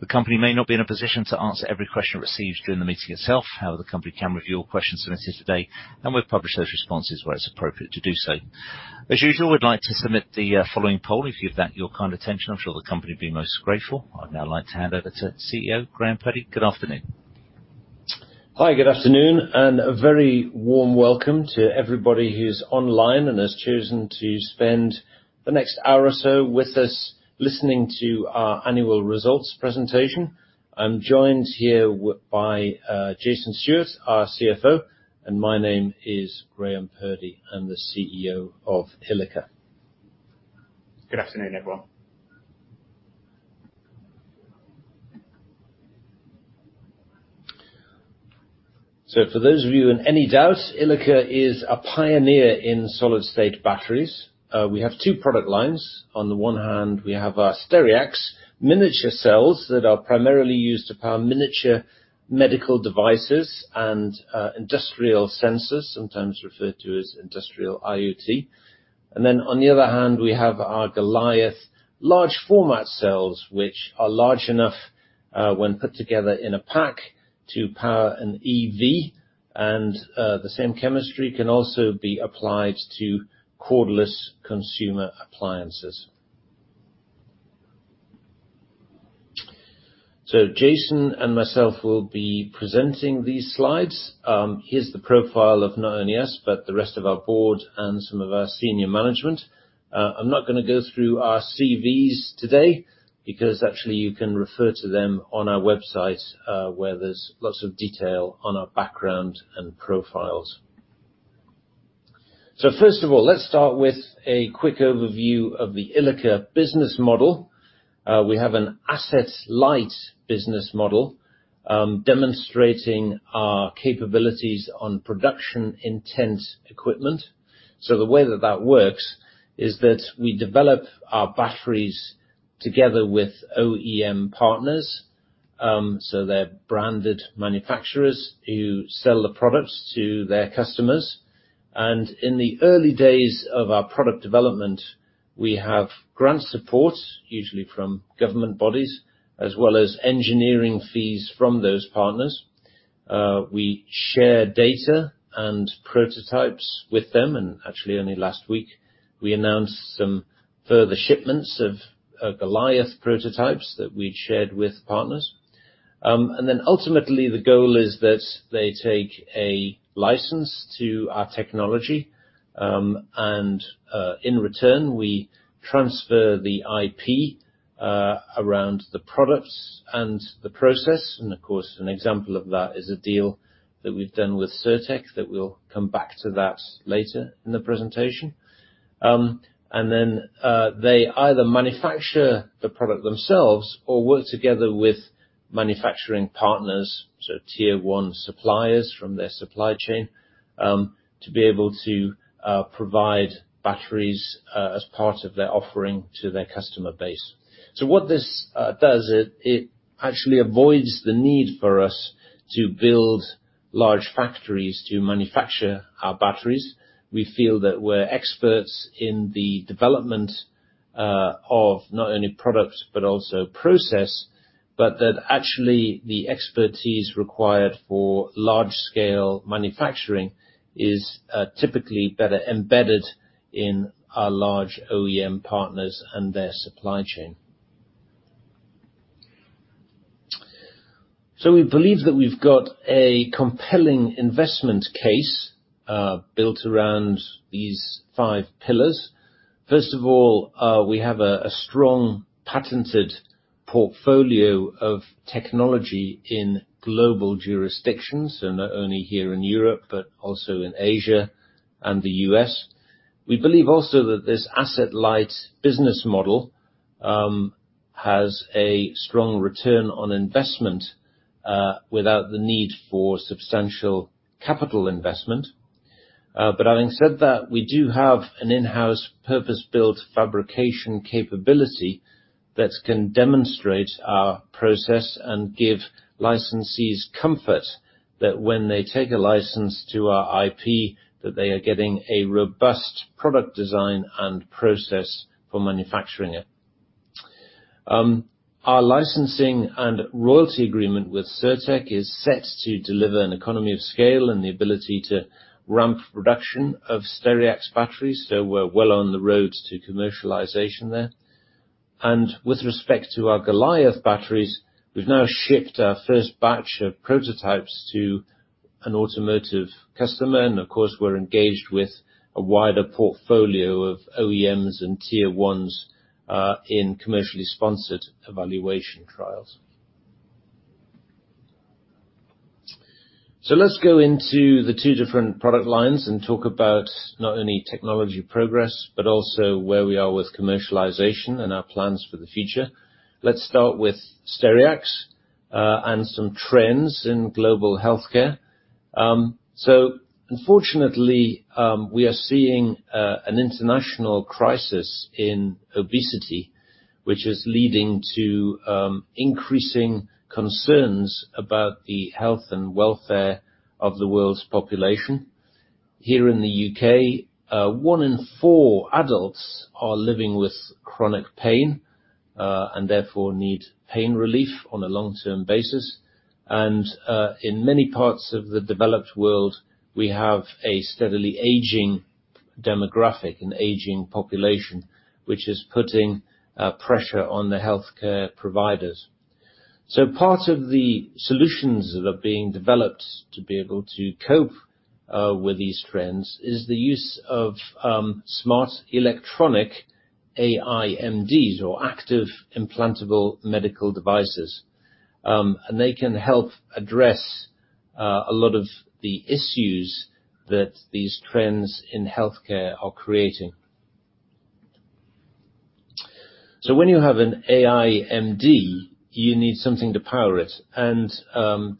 The company may not be in a position to answer every question received during the meeting itself. However, the company can review all questions submitted today, and we'll publish those responses where it's appropriate to do so. As usual, we'd like to submit the following poll. If you give that your kind attention, I'm sure the company will be most grateful. I'd now like to hand over to CEO, Graham Purdy. Good afternoon. Hi, good afternoon, and a very warm welcome to everybody who's online and has chosen to spend the next hour or so with us, listening to our annual results presentation. I'm joined here by Jason Stewart, our CFO, and my name is Graham Purdy. I'm the CEO of Ilika. Good afternoon, everyone. For those of you in any doubt, Ilika is a pioneer in solid-state batteries. We have two product lines. On the one hand, we have our Stereax miniature cells that are primarily used to power miniature medical devices and industrial sensors, sometimes referred to as industrial IoT. And then, on the other hand, we have our Goliath large format cells, which are large enough, when put together in a pack, to power an EV, and the same chemistry can also be applied to cordless consumer appliances. So Jason and myself will be presenting these slides. Here's the profile of not only us, but the rest of our board and some of our senior management. I'm not gonna go through our CVs today, because actually you can refer to them on our website, where there's lots of detail on our background and profiles. So first of all, let's start with a quick overview of the Ilika business model. We have an asset-light business model, demonstrating our capabilities on production-intent equipment. So the way that that works is that we develop our batteries together with OEM partners, so they're branded manufacturers who sell the products to their customers. And in the early days of our product development, we have grant support, usually from government bodies, as well as engineering fees from those partners. We share data and prototypes with them, and actually, only last week, we announced some further shipments of Goliath prototypes that we'd shared with partners. And then ultimately, the goal is that they take a license to our technology, and in return, we transfer the IP around the products and the process. And of course, an example of that is a deal that we've done with Cirtec, that we'll come back to later in the presentation. And then they either manufacture the product themselves or work together with manufacturing partners, so tier one suppliers from their supply chain, to be able to provide batteries as part of their offering to their customer base. So what this does is it actually avoids the need for us to build large factories to manufacture our batteries. We feel that we're experts in the development of not only product, but also process, but that actually, the expertise required for large-scale manufacturing is typically better embedded in our large OEM partners and their supply chain. So we believe that we've got a compelling investment case built around these five pillars. First of all, we have a strong patented portfolio of technology in global jurisdictions, and not only here in Europe, but also in Asia and the U.S. We believe also that this asset-light business model has a strong return on investment without the need for substantial capital investment. But having said that, we do have an in-house, purpose-built fabrication capability that can demonstrate our process and give licensees comfort that when they take a license to our IP, that they are getting a robust product design and process for manufacturing it. Our licensing and royalty agreement with Cirtec is set to deliver an economy of scale and the ability to ramp production of Stereax batteries, so we're well on the road to commercialization there. And with respect to our Goliath batteries, we've now shipped our first batch of prototypes to an automotive customer, and of course, we're engaged with a wider portfolio of OEMs and tier ones, in commercially sponsored evaluation trials. So let's go into the two different product lines and talk about not only technology progress, but also where we are with commercialization and our plans for the future. Let's start with Stereax and some trends in global healthcare. So unfortunately, we are seeing an international crisis in obesity, which is leading to increasing concerns about the health and welfare of the world's population. Here in the U.K, one in four adults are living with chronic pain and therefore need pain relief on a long-term basis. In many parts of the developed world, we have a steadily aging demographic, an aging population, which is putting pressure on the healthcare providers. So part of the solutions that are being developed to be able to cope with these trends is the use of smart electronic AIMDs, or active implantable medical devices. They can help address a lot of the issues that these trends in healthcare are creating. So when you have an AIMD, you need something to power it, and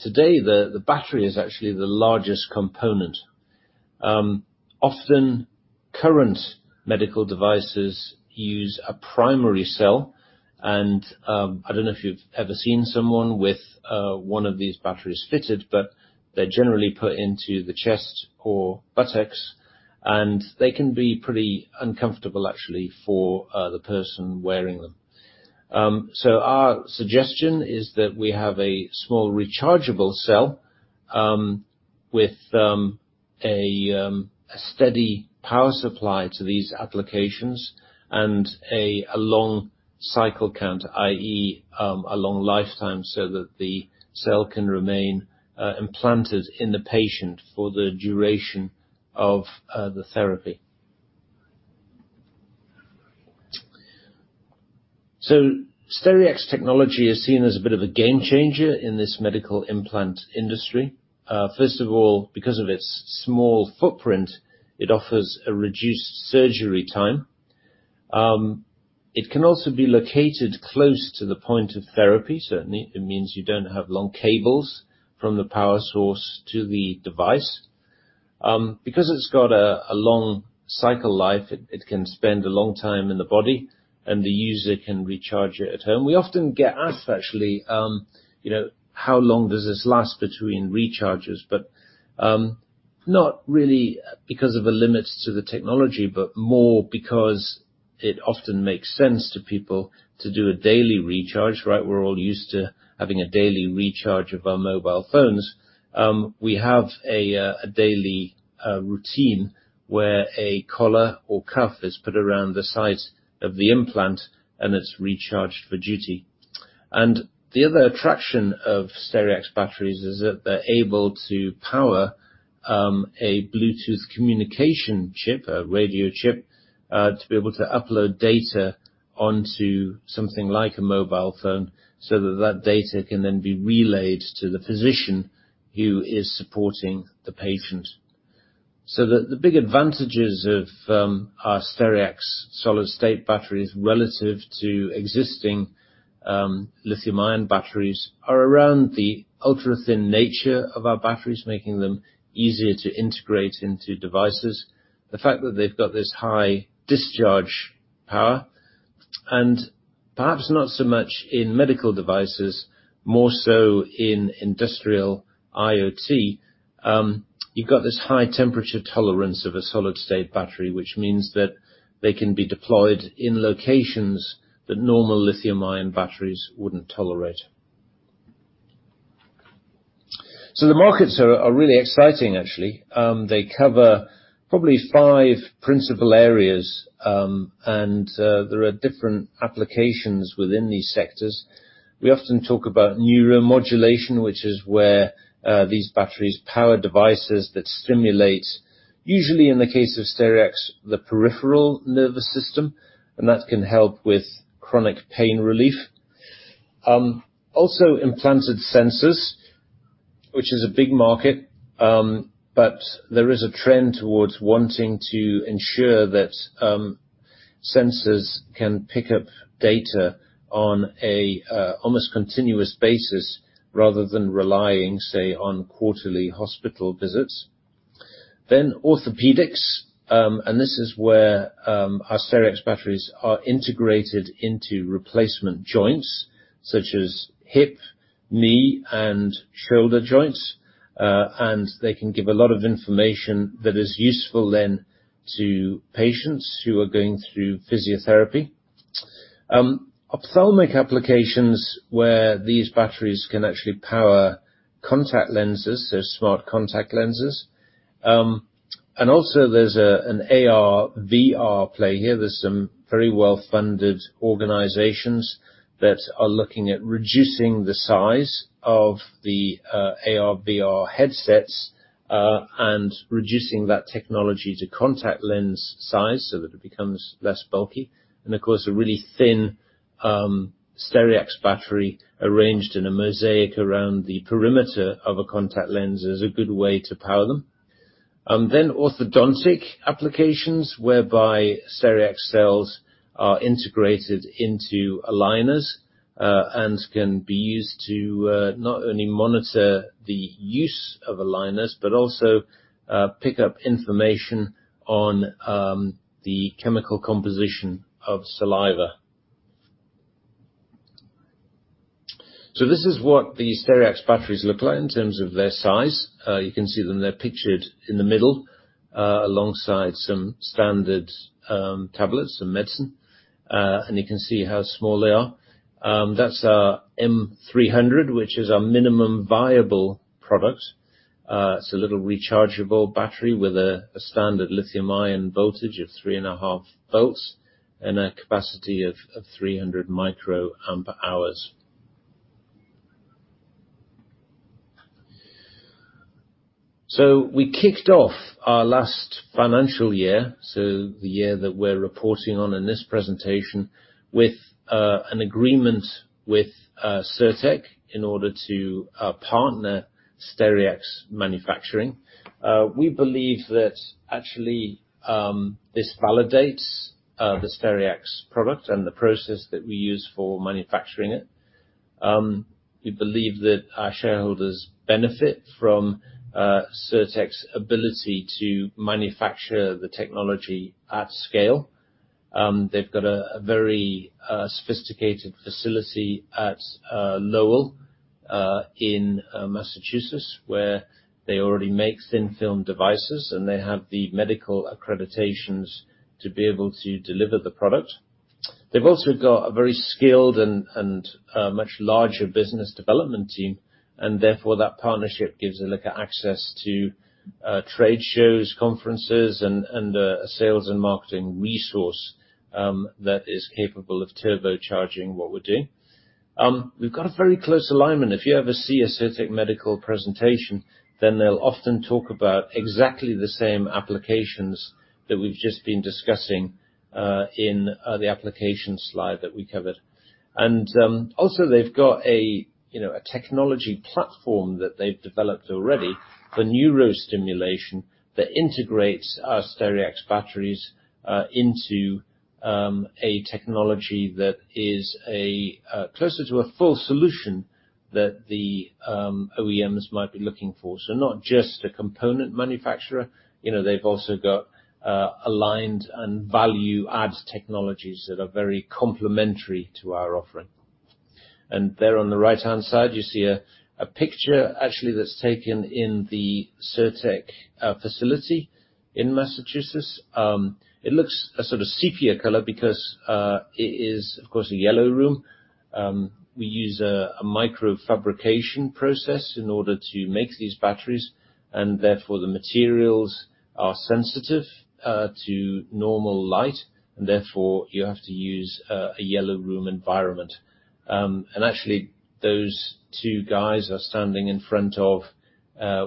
today the battery is actually the largest component. Often, current medical devices use a primary cell, and I don't know if you've ever seen someone with one of these batteries fitted, but they're generally put into the chest or buttocks, and they can be pretty uncomfortable, actually, for the person wearing them. So our suggestion is that we have a small rechargeable cell with a steady power supply to these applications and a long cycle count, i.e., a long lifetime, so that the cell can remain implanted in the patient for the duration of the therapy. So Stereax technology is seen as a bit of a game changer in this medical implant industry. First of all, because of its small footprint, it offers a reduced surgery time. It can also be located close to the point of therapy. Certainly, it means you don't have long cables from the power source to the device. Because it's got a long cycle life, it can spend a long time in the body, and the user can recharge it at home. We often get asked, actually, you know, "How long does this last between recharges?" But not really because of the limits to the technology, but more because it often makes sense to people to do a daily recharge, right? We're all used to having a daily recharge of our mobile phones. We have a daily routine, where a collar or cuff is put around the site of the implant, and it's recharged for duty. And the other attraction of Stereax batteries is that they're able to power a Bluetooth communication chip, a radio chip, to be able to upload data onto something like a mobile phone, so that that data can then be relayed to the physician who is supporting the patient. So the big advantages of our Stereax solid-state batteries relative to existing lithium-ion batteries are around the ultra-thin nature of our batteries, making them easier to integrate into devices, the fact that they've got this high discharge power, and perhaps not so much in medical devices, more so in industrial IoT, you've got this high temperature tolerance of a solid-state battery, which means that they can be deployed in locations that normal lithium-ion batteries wouldn't tolerate. So the markets are really exciting, actually. They cover probably five principal areas, and there are different applications within these sectors. We often talk about neuromodulation, which is where these batteries power devices that stimulate, usually in the case of Stereax, the peripheral nervous system, and that can help with chronic pain relief. Also implanted sensors, which is a big market, but there is a trend towards wanting to ensure that sensors can pick up data on an almost continuous basis, rather than relying, say, on quarterly hospital visits. Then orthopedics, and this is where our Stereax batteries are integrated into replacement joints, such as hip, knee, and shoulder joints, and they can give a lot of information that is useful then to patients who are going through physiotherapy. Ophthalmic applications, where these batteries can actually power contact lenses, so smart contact lenses. And also there's an AR/VR play here. There's some very well-funded organizations that are looking at reducing the size of the AR/VR headsets, and reducing that technology to contact lens size so that it becomes less bulky. And of course, a really thin Stereax battery arranged in a mosaic around the perimeter of a contact lens is a good way to power them. Then orthodontic applications, whereby Stereax cells are integrated into aligners, and can be used to not only monitor the use of aligners but also pick up information on the chemical composition of saliva. So this is what the Stereax batteries look like in terms of their size. You can see them, they're pictured in the middle, alongside some standard tablets and medicine. And you can see how small they are. That's our M300, which is our minimum viable product. It's a little rechargeable battery with a standard lithium-ion voltage of 3.5 volts and a capacity of 300 microamp hours. So we kicked off our last financial year, so the year that we're reporting on in this presentation, with an agreement with Cirtec, in order to partner Stereax manufacturing. We believe that actually, this validates the Stereax product and the process that we use for manufacturing it. We believe that our shareholders benefit from Cirtec's ability to manufacture the technology at scale. They've got a very sophisticated facility at Lowell, in Massachusetts, where they already make thin film devices, and they have the medical accreditations to be able to deliver the product. They've also got a very skilled and much larger business development team, and therefore, that partnership gives Ilika access to trade shows, conferences, and a sales and marketing resource that is capable of turbocharging what we're doing. We've got a very close alignment. If you ever see a Cirtec Medical presentation, then they'll often talk about exactly the same applications that we've just been discussing in the application slide that we covered. Also, they've got a, you know, a technology platform that they've developed already for neurostimulation that integrates our Stereax batteries into a technology that is a closer to a full solution than the OEMs might be looking for. So not just a component manufacturer, you know, they've also got aligned and value-added technologies that are very complementary to our offering. There on the right-hand side, you see a picture, actually, that's taken in the Cirtec facility in Massachusetts. It looks a sort of sepia color because it is, of course, a yellow room. We use a microfabrication process in order to make these batteries, and therefore, the materials are sensitive to normal light, and therefore, you have to use a yellow room environment. And actually, those two guys are standing in front of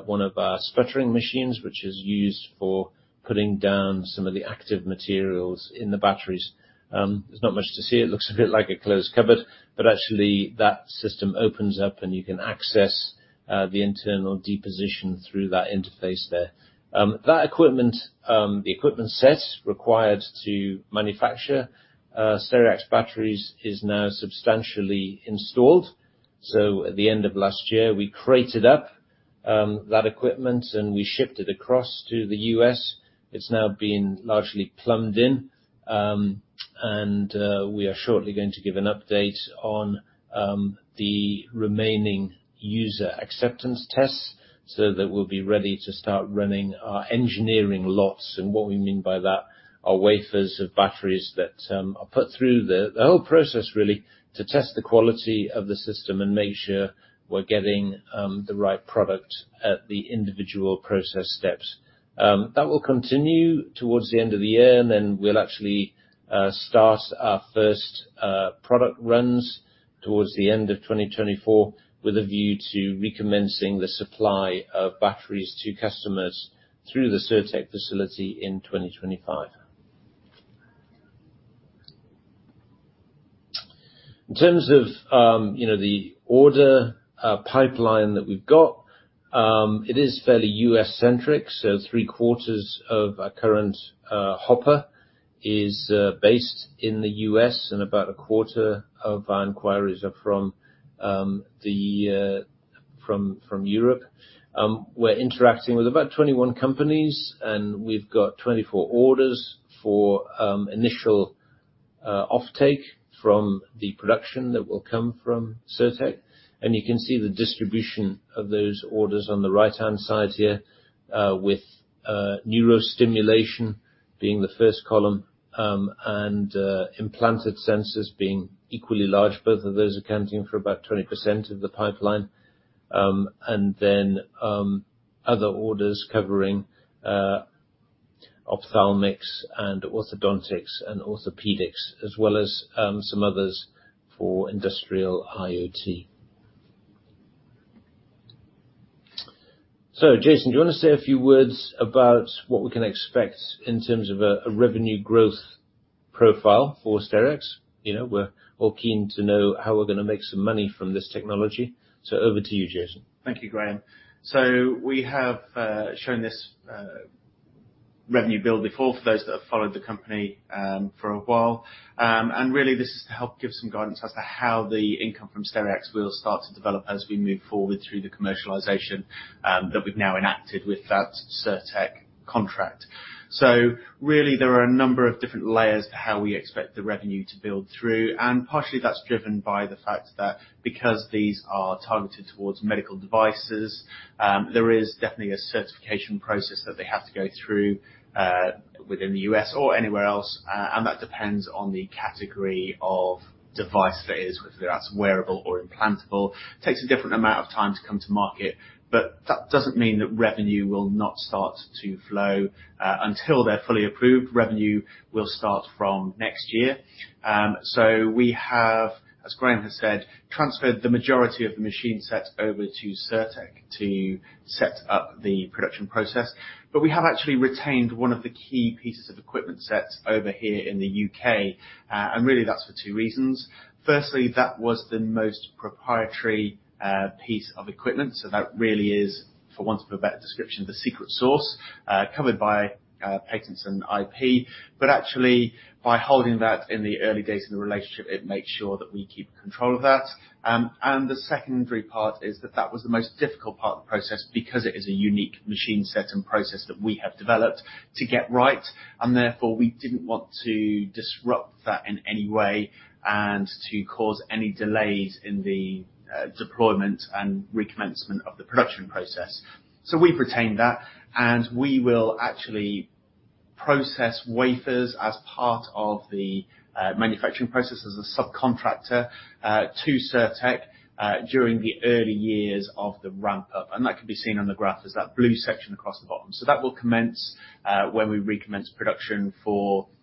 one of our sputtering machines, which is used for putting down some of the active materials in the batteries. There's not much to see. It looks a bit like a closed cupboard, but actually, that SiSTEM opens up, and you can access the internal deposition through that interface there. That equipment, the equipment set required to manufacture, Stereax batteries, is now substantially installed. So at the end of last year, we crated up, that equipment, and we shipped it across to the U.S. It's now been largely plumbed in, and, we are shortly going to give an update on, the remaining user acceptance tests, so that we'll be ready to start running our engineering lots. And what we mean by that are wafers of batteries that, are put through the, the whole process really to test the quality of the system and make sure we're getting, the right product at the individual process steps. That will continue towards the end of the year, and then we'll actually start our first product runs towards the end of 2024, with a view to recommencing the supply of batteries to customers through the Cirtec facility in 2025. In terms of, you know, the order pipeline that we've got, it is fairly U.S.-centric, so three-quarters of our current hopper is based in the U.S., and about a quarter of our inquiries are from Europe. We're interacting with about 21 companies, and we've got 24 orders for initial offtake from the production that will come from Cirtec. You can see the distribution of those orders on the right-hand side here, with neurostimulation being the first column, and implanted sensors being equally large, both of those accounting for about 20% of the pipeline. And then, other orders covering ophthalmics and orthodontics and orthopedics, as well as some others for industrial IoT. So, Jason, do you want to say a few words about what we can expect in terms of a revenue growth profile for Stereax? You know, we're all keen to know how we're gonna make some money from this technology. So over to you, Jason. Thank you, Graham. So we have shown this revenue build before, for those that have followed the company for a while. And really, this is to help give some guidance as to how the income from Stereax will start to develop as we move forward through the commercialization that we've now enacted with that Cirtec contract. So really, there are a number of different layers to how we expect the revenue to build through, and partially that's driven by the fact that because these are targeted towards medical devices, there is definitely a certification process that they have to go through within the U.S. or anywhere else, and that depends on the category of device that is, whether that's wearable or implantable. It takes a different amount of time to come to market, but that doesn't mean that revenue will not start to flow until they're fully approved. Revenue will start from next year. So we have, as Graham has said, transferred the majority of the machine set over to Cirtec to set up the production process. But we have actually retained one of the key pieces of equipment sets over here in the U.K, and really, that's for two reasons. Firstly, that was the most proprietary piece of equipment, so that really is, for want of a better description, the secret sauce covered by patents and IP. But actually, by holding that in the early days of the relationship, it makes sure that we keep control of that. And the secondary part is that that was the most difficult part of the process because it is a unique machine set and process that we have developed to get right, and therefore we didn't want to disrupt that in any way and to cause any delays in the deployment and recommencement of the production process. So we've retained that, and we will actually process wafers as part of the manufacturing process as a subcontractor to Cirtec during the early years of the ramp-up. And that can be seen on the graph as that blue section across the bottom. So that will commence when we recommence production for the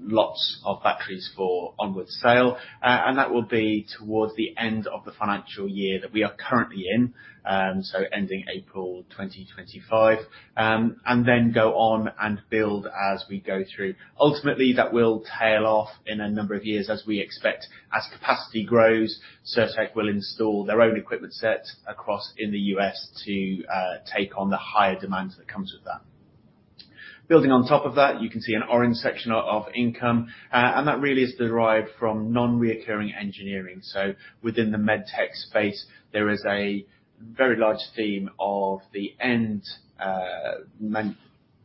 lots of batteries for onward sale. And that will be towards the end of the financial year that we are currently in, so ending April 2025. And then go on and build as we go through. Ultimately, that will tail off in a number of years, as we expect. As capacity grows, Cirtec will install their own equipment sets across in the U.S. to take on the higher demands that comes with that. Building on top of that, you can see an orange section of income, and that really is derived from non-recurring engineering. So within the med tech space, there is a very large theme of the end-user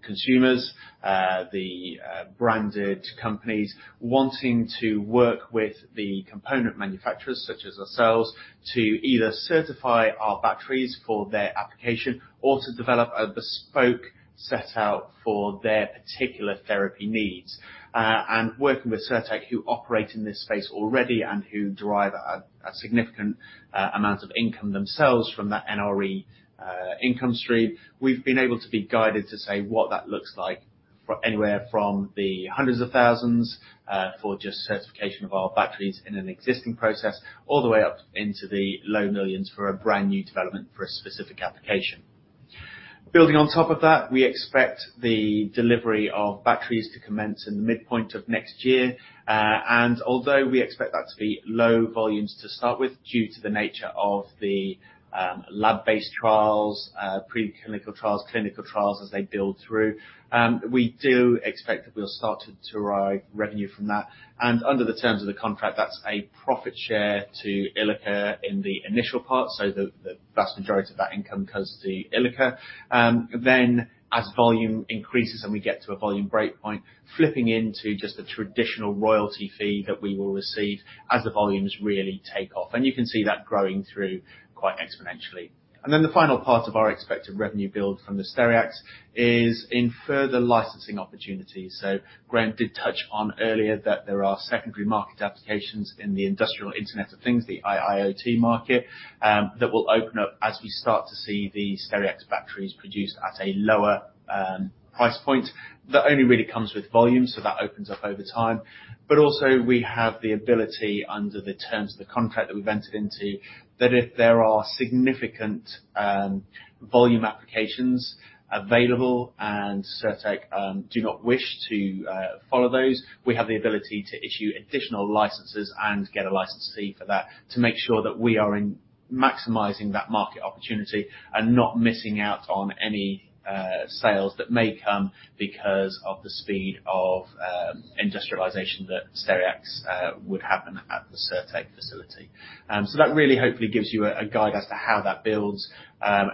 consumers, the branded companies wanting to work with the component manufacturers, such as ourselves, to either certify our batteries for their application or to develop a bespoke setup for their particular therapy needs. And working with Cirtec, who operate in this space already and who derive a significant amount of income themselves from that NRE income stream, we've been able to be guided to say what that looks like, anywhere from GBP hundreds of thousands for just certification of our batteries in an existing process, all the way up into GBP low millions for a brand-new development for a specific application. Building on top of that, we expect the delivery of batteries to commence in the midpoint of next year, and although we expect that to be low volumes to start with, due to the nature of the lab-based trials, pre-clinical trials, clinical trials as they build through, we do expect that we'll start to derive revenue from that. And under the terms of the contract, that's a profit share to Ilika in the initial part, so the vast majority of that income comes to Ilika. Then as volume increases and we get to a volume breakpoint, flipping into just a traditional royalty fee that we will receive as the volumes really take off, and you can see that growing through quite exponentially. And then the final part of our expected revenue build from the Stereax is in further licensing opportunities. So Graham did touch on earlier that there are secondary market applications in the industrial Internet of Things, the IIoT market, that will open up as we start to see the Stereax batteries produced at a lower price point. That only really comes with volume, so that opens up over time. But also, we have the ability, under the terms of the contract that we've entered into, that if there are significant volume applications available and Cirtec do not wish to follow those, we have the ability to issue additional licenses and get a license fee for that to make sure that we are in maximizing that market opportunity and not missing out on any sales that may come because of the speed of industrialization that Stereax would have at the Cirtec facility. So that really hopefully gives you a guide as to how that builds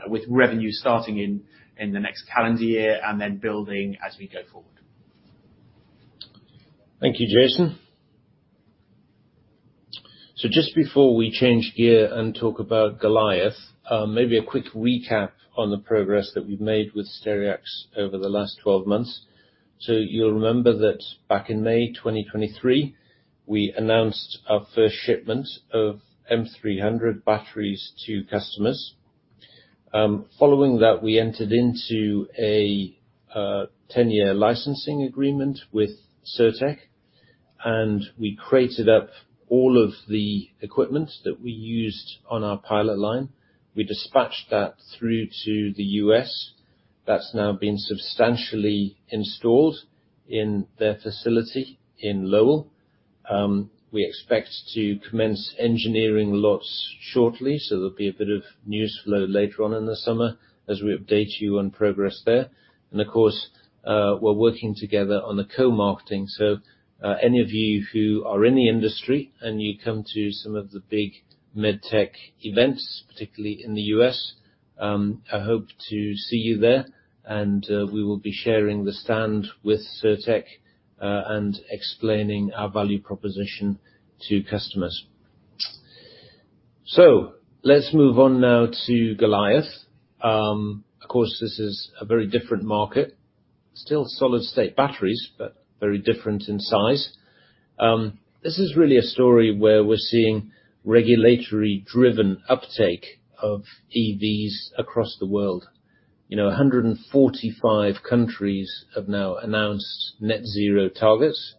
with revenue starting in the next calendar year, and then building as we go forward. Thank you, Jason. So just before we change gear and talk about Goliath, maybe a quick recap on the progress that we've made with Stereax over the last 12 months. So you'll remember that back in May 2023, we announced our first shipment of M300 batteries to customers. Following that, we entered into a 10-year licensing agreement with Cirtec, and we crated up all of the equipment that we used on our pilot line. We dispatched that through to the U.S. That's now been substantially installed in their facility in Lowell... We expect to commence engineering lots shortly, so there'll be a bit of news flow later on in the summer as we update you on progress there. And of course, we're working together on the co-marketing. So, any of you who are in the industry, and you come to some of the big med tech events, particularly in the U.S, I hope to see you there, and, we will be sharing the stand with Cirtec, and explaining our value proposition to customers. So let's move on now to Goliath. Of course, this is a very different market. Still solid state batteries, but very different in size. This is really a story where we're seeing regulatory-driven uptake of EVs across the world. You know, 145 countries have now announced net zero targets,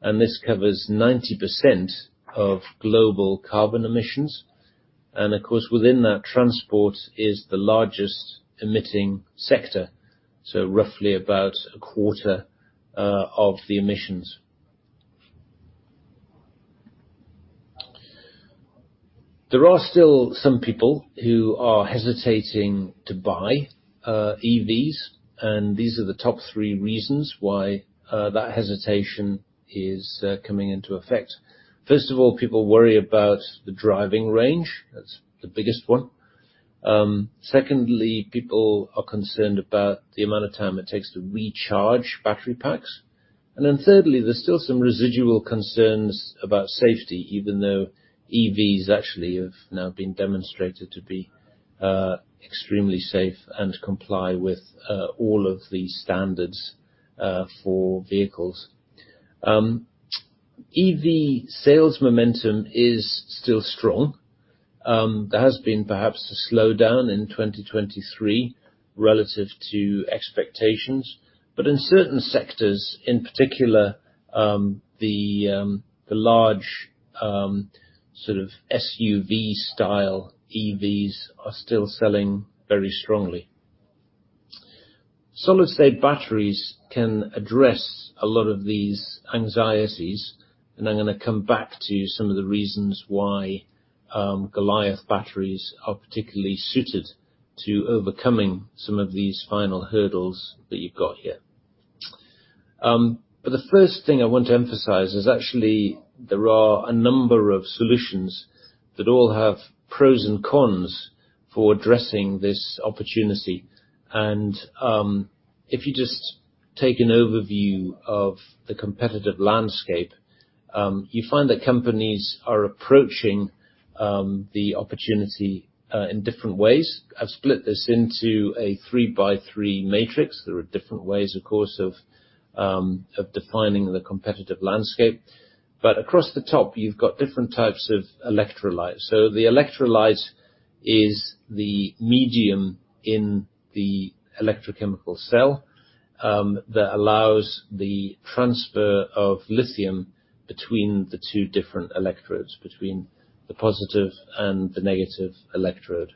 and this covers 90% of global carbon emissions, and of course, within that, transport is the largest emitting sector, so roughly about a quarter of the emissions. There are still some people who are hesitating to buy EVs, and these are the top three reasons why that hesitation is coming into effect. First of all, people worry about the driving range. That's the biggest one. Secondly, people are concerned about the amount of time it takes to recharge battery packs. And then thirdly, there's still some residual concerns about safety, even though EVs actually have now been demonstrated to be extremely safe and comply with all of the standards for vehicles. EV sales momentum is still strong. There has been perhaps a slowdown in 2023 relative to expectations, but in certain sectors, in particular, the large, sort of SUV-style EVs, are still selling very strongly. Solid-state batteries can address a lot of these anxieties, and I'm gonna come back to some of the reasons why, Goliath batteries are particularly suited to overcoming some of these final hurdles that you've got here. But the first thing I want to emphasize is actually there are a number of solutions that all have pros and cons for addressing this opportunity, and, if you just take an overview of the competitive landscape, you find that companies are approaching the opportunity in different ways. I've split this into a 3-by-3 matrix. There are different ways, of course, of defining the competitive landscape. Across the top, you've got different types of electrolytes. The electrolytes is the medium in the electrochemical cell that allows the transfer of lithium between the two different electrodes, between the positive and the negative electrode.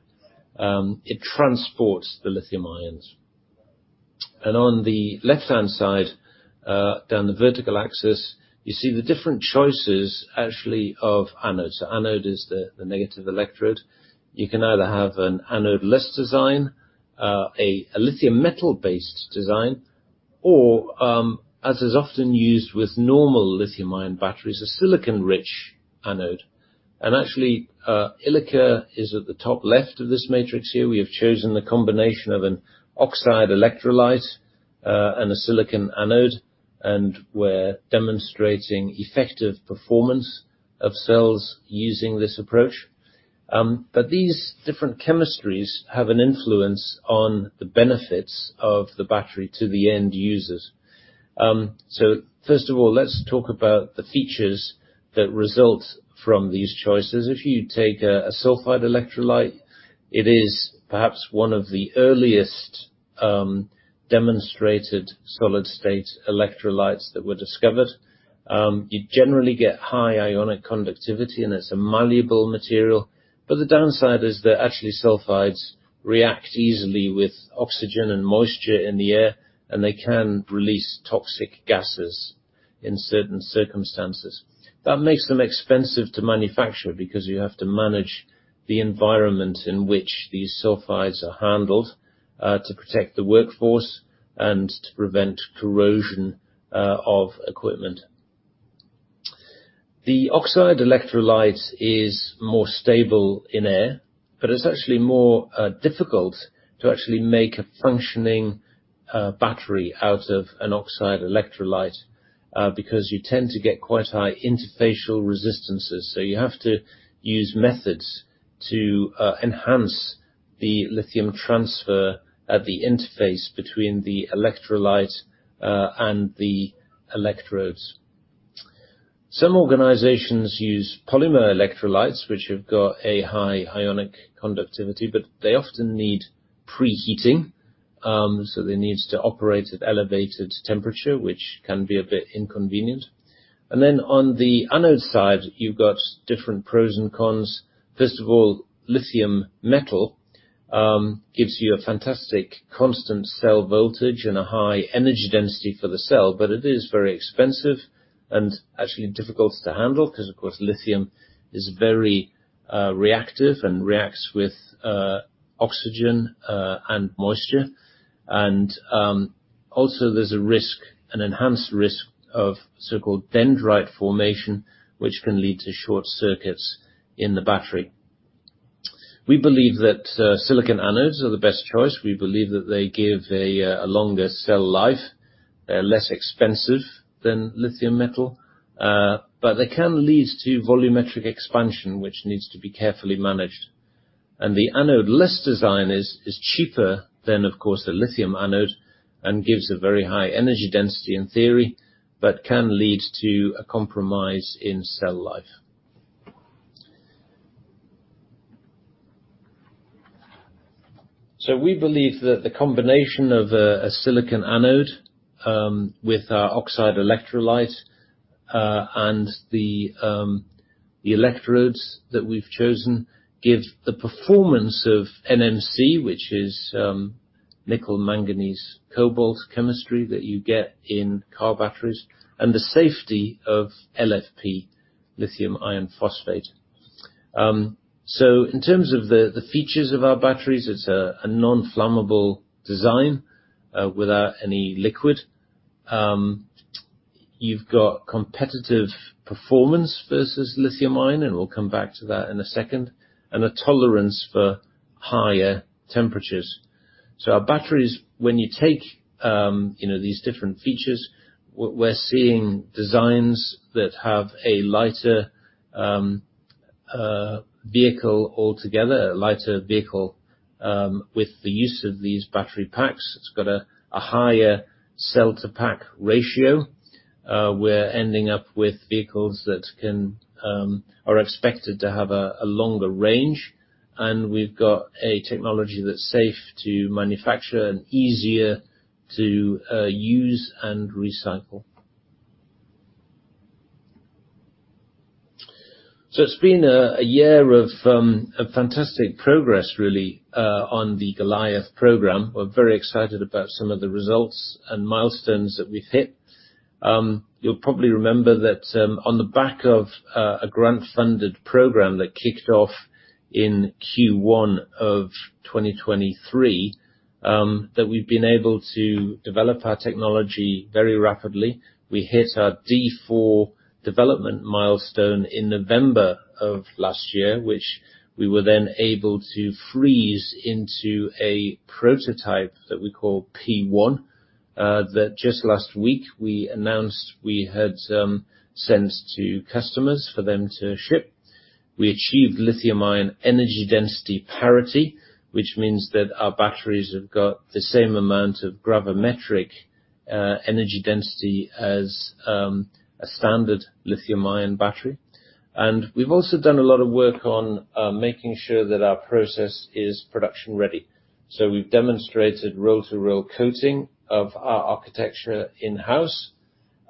It transports the lithium ions. On the left-hand side, down the vertical axis, you see the different choices, actually, of anodes. Anode is the negative electrode. You can either have an anode-less design, a lithium metal-based design, or, as is often used with normal lithiu-ion batteries, a silicon-rich anode. Actually, Ilika is at the top left of this matrix here. We have chosen the combination of an oxide electrolyte and a silicon anode, and we're demonstrating effective performance of cells using this approach. But these different chemistries have an influence on the benefits of the battery to the end users. So first of all, let's talk about the features that result from these choices. If you take a sulfide electrolyte, it is perhaps one of the earliest demonstrated solid-state electrolytes that were discovered. You generally get high ionic conductivity, and it's a malleable material, but the downside is that actually sulfides react easily with oxygen and moisture in the air, and they can release toxic gases in certain circumstances. That makes them expensive to manufacture because you have to manage the environment in which these sulfides are handled, to protect the workforce and to prevent corrosion of equipment. The oxide electrolyte is more stable in air, but it's actually more difficult to actually make a functioning battery out of an oxide electrolyte because you tend to get quite high interfacial resistances. So you have to use methods to enhance the lithium transfer at the interface between the electrolyte and the electrodes. Some organizations use polymer electrolytes, which have got a high ionic conductivity, but they often need preheating. So there needs to operate at elevated temperature, which can be a bit inconvenient. And then on the anode side, you've got different pros and cons. First of all, lithium metal gives you a fantastic constant cell voltage and a high energy density for the cell, but it is very expensive and actually difficult to handle because, of course, lithium is very reactive and reacts with oxygen and moisture. Also there's a risk, an enhanced risk of so-called dendrite formation, which can lead to short circuits in the battery. We believe that silicon anodes are the best choice. We believe that they give a longer cell life. They're less expensive than lithium metal, but they can lead to volumetric expansion, which needs to be carefully managed. And the anode-less design is cheaper than, of course, the lithium anode, and gives a very high energy density in theory, but can lead to a compromise in cell life. So we believe that the combination of a silicon anode with our oxide electrolyte and the electrodes that we've chosen give the performance of NMC, which is nickel manganese cobalt chemistry that you get in car batteries, and the safety of LFP, lithium-ion phosphate. So in terms of the features of our batteries, it's a non-flammable design without any liquid. You've got competitive performance versus lithium-ion, and we'll come back to that in a second, and a tolerance for higher temperatures. So our batteries, when you take, you know, these different features, we're seeing designs that have a lighter vehicle altogether, a lighter vehicle with the use of these battery packs. It's got a higher cell-to-pack ratio. We're ending up with vehicles that can, are expected to have a longer range, and we've got a technology that's safe to manufacture and easier to use and recycle. So it's been a year of fantastic progress, really, on the Goliath program. We're very excited about some of the results and milestones that we've hit. You'll probably remember that, on the back of a grant-funded program that kicked off in Q1 of 2023, that we've been able to develop our technology very rapidly. We hit our D4 development milestone in November of last year, which we were then able to freeze into a prototype that we call P1, that just last week, we announced we had sent to customers for them to ship. We achieved lithium ion energy density parity, which means that our batteries have got the same amount of gravimetric energy density as a standard lithium ion battery. And we've also done a lot of work on making sure that our process is production ready. So we've demonstrated roll-to-roll coating of our architecture in-house.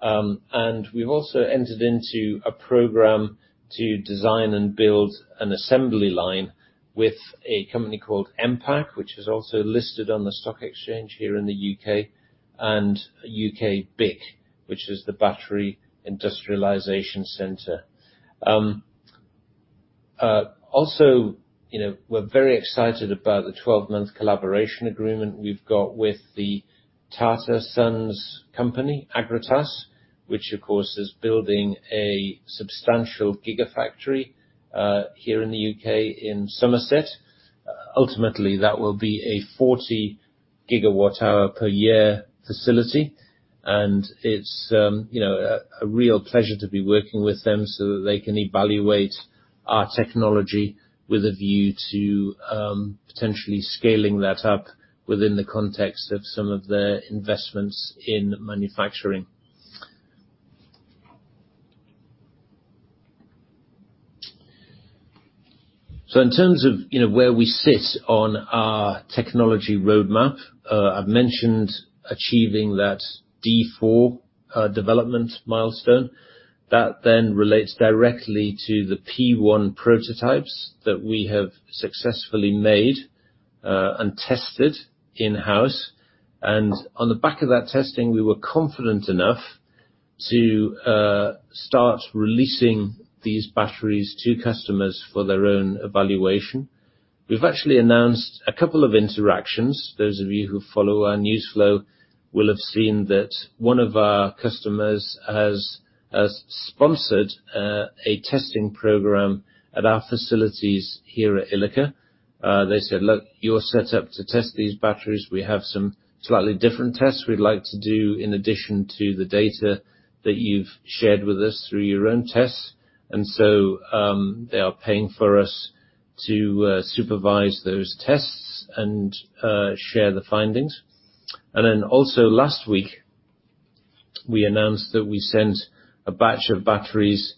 And we've also entered into a program to design and build an assembly line with a company called Mpac, which is also listed on the stock exchange here in the U.K, and UKBIC, which is the Battery Industrialization Center. Also, you know, we're very excited about the 12-month collaboration agreement we've got with the Tata Sons company, Agratas, which of course, is building a substantial gigafactory here in the U.K, in Somerset. Ultimately, that will be a 40 GWh per year facility, and it's, you know, a real pleasure to be working with them so that they can evaluate our technology with a view to potentially scaling that up within the context of some of their investments in manufacturing. So in terms of, you know, where we sit on our technology roadmap, I've mentioned achieving that D4 development milestone. That then relates directly to the P1 prototypes that we have successfully made and tested in-house. And on the back of that testing, we were confident enough to start releasing these batteries to customers for their own evaluation. We've actually announced a couple of interactions. Those of you who follow our news flow will have seen that one of our customers has sponsored a testing program at our facilities here at Ilika. They said: Look, you're set up to test these batteries. We have some slightly different tests we'd like to do in addition to the data that you've shared with us through your own tests. And so, they are paying for us to supervise those tests and share the findings. And then also last week, we announced that we sent a batch of batteries,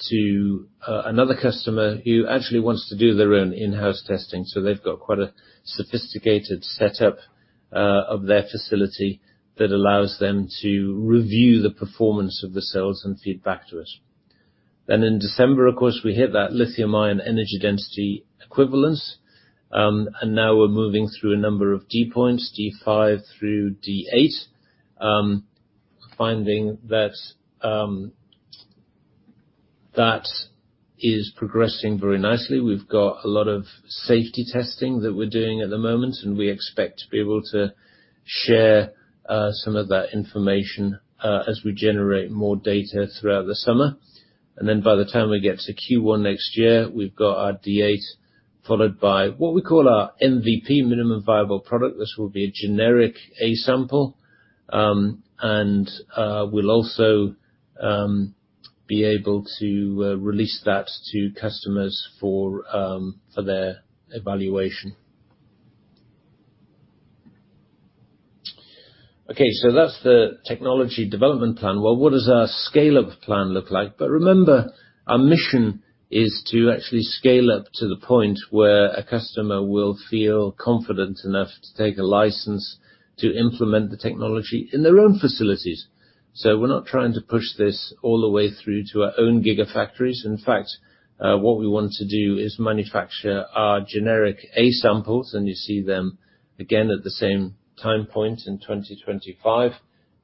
to another customer who actually wants to do their own in-house testing, so they've got quite a sophisticated setup, of their facility that allows them to review the performance of the cells and feed back to us. Then in December, of course, we hit that lithium-ion energy density equivalence, and now we're moving through a number of D points, D5 through D8, finding that that is progressing very nicely. We've got a lot of safety testing that we're doing at the moment, and we expect to be able to share, some of that information, as we generate more data throughout the summer. And then by the time we get to Q1 next year, we've got our D8, followed by what we call our MVP, Minimum Viable Product. This will be a generic A sample, and we'll also be able to release that to customers for their evaluation. Okay, so that's the technology development plan. Well, what does our scale-up plan look like? But remember, our mission is to actually scale up to the point where a customer will feel confident enough to take a license to implement the technology in their own facilities. So we're not trying to push this all the way through to our own gigafactories. In fact, what we want to do is manufacture our generic A samples, and you see them again at the same time point in 2025.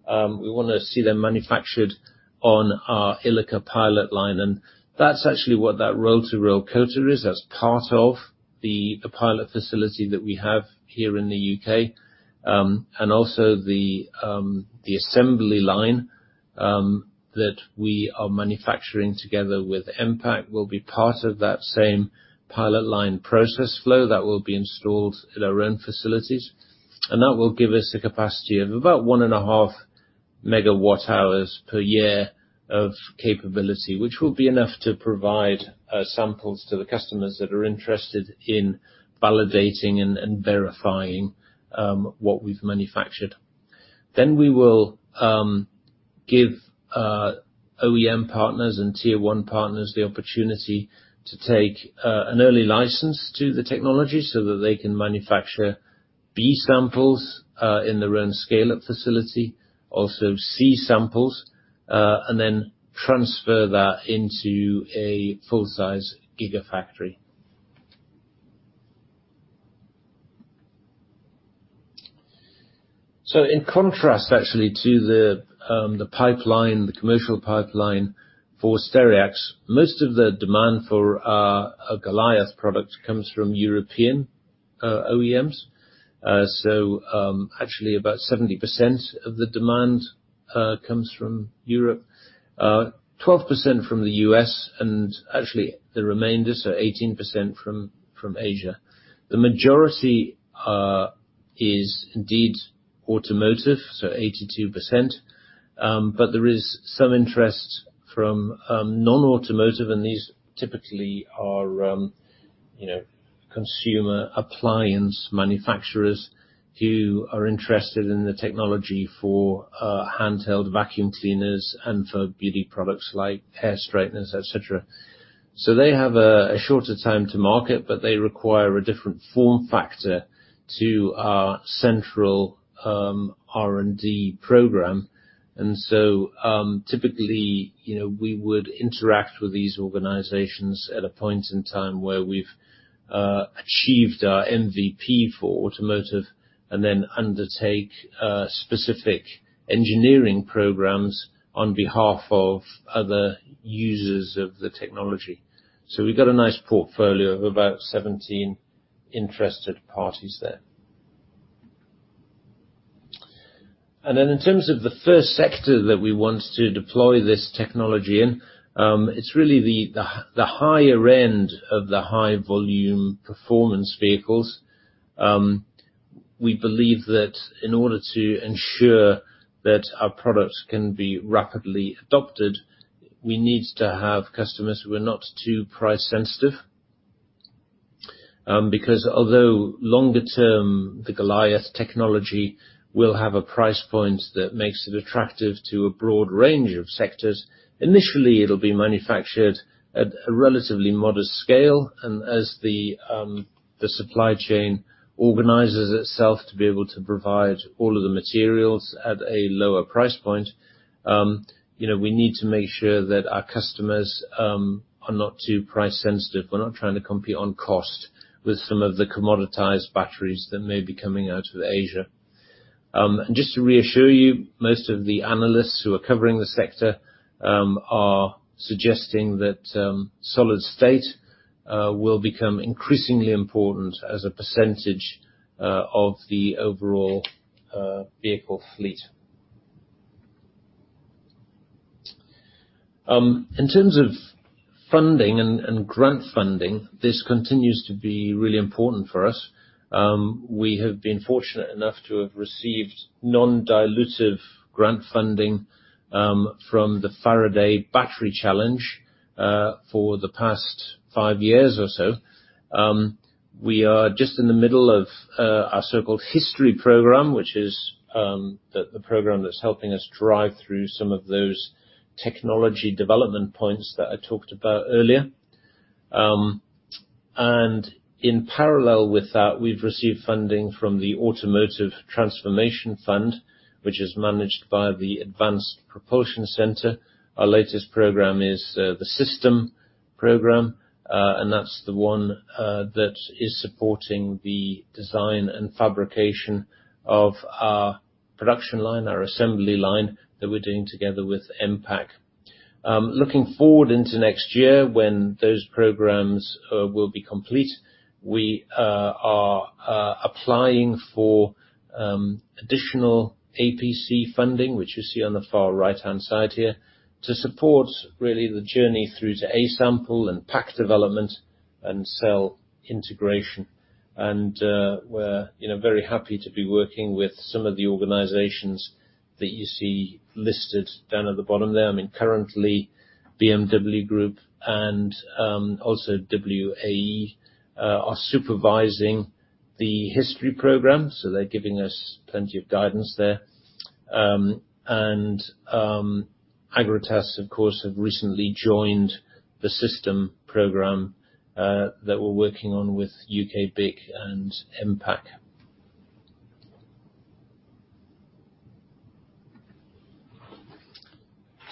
We wanna see them manufactured on our Ilika pilot line, and that's actually what that roll-to-roll coater is. That's part of the pilot facility that we have here in the U.K. and also the assembly line that we are manufacturing together with Mpac will be part of that same pilot line process flow that will be installed at our own facilities. And that will give us a capacity of about 1.5 MWh per year of capability, which will be enough to provide samples to the customers that are interested in validating and verifying what we've manufactured. Then we will give OEM partners and Tier One partners the opportunity to take an early license to the technology, so that they can manufacture B samples in their own scale-up facility, also C samples, and then transfer that into a full-size gigafactory. So in contrast, actually, to the pipeline, the commercial pipeline for Stereax, most of the demand for our Goliath product comes from European OEMs. So actually, about 70% of the demand comes from Europe, 12% from the U.S, and actually, the remainder, so 18%, from Asia. The majority is indeed automotive, so 82%, but there is some interest from non-automotive, and these typically are, you know, consumer appliance manufacturers who are interested in the technology for handheld vacuum cleaners and for beauty products like hair straighteners, et cetera. So they have a shorter time to market, but they require a different form factor to our central R&D program. So, typically, you know, we would interact with these organizations at a point in time where we've achieved our MVP for automotive, and then undertake specific engineering programs on behalf of other users of the technology. So we've got a nice portfolio of about 17 interested parties there. Then in terms of the first sector that we want to deploy this technology in, it's really the higher end of the high volume performance vehicles. We believe that in order to ensure that our products can be rapidly adopted, we need to have customers who are not too price sensitive, because although longer term, the Goliath technology will have a price point that makes it attractive to a broad range of sectors, initially, it'll be manufactured at a relatively modest scale. As the supply chain organizes itself to be able to provide all of the materials at a lower price point, you know, we need to make sure that our customers are not too price sensitive. We're not trying to compete on cost with some of the commoditized batteries that may be coming out of Asia. Just to reassure you, most of the analysts who are covering the sector are suggesting that solid state will become increasingly important as a percentage of the overall vehicle fleet. In terms of funding and grant funding, this continues to be really important for us. We have been fortunate enough to have received non-dilutive grant funding from the Faraday Battery Challenge for the past five years or so. We are just in the middle of our so-called Goliath program, which is the program that's helping us drive through some of those technology development points that I talked about earlier. And in parallel with that, we've received funding from the Automotive Transformation Fund, which is managed by the Advanced Propulsion Center. Our latest program is the Stereax program, and that's the one that is supporting the design and fabrication of our production line, our assembly line, that we're doing together with Mpac. Looking forward into next year, when those programs will be complete, we are applying for additional APC funding, which you see on the far right-hand side here, to support really the journey through to A sample and pack development and cell integration. And, we're, you know, very happy to be working with some of the organizations that you see listed down at the bottom there. I mean, currently, BMW Group and also WAE are supervising the Goliath program, so they're giving us plenty of guidance there. Agratas, of course, have recently joined the Stereax program that we're working on with UKBIC and Mpac.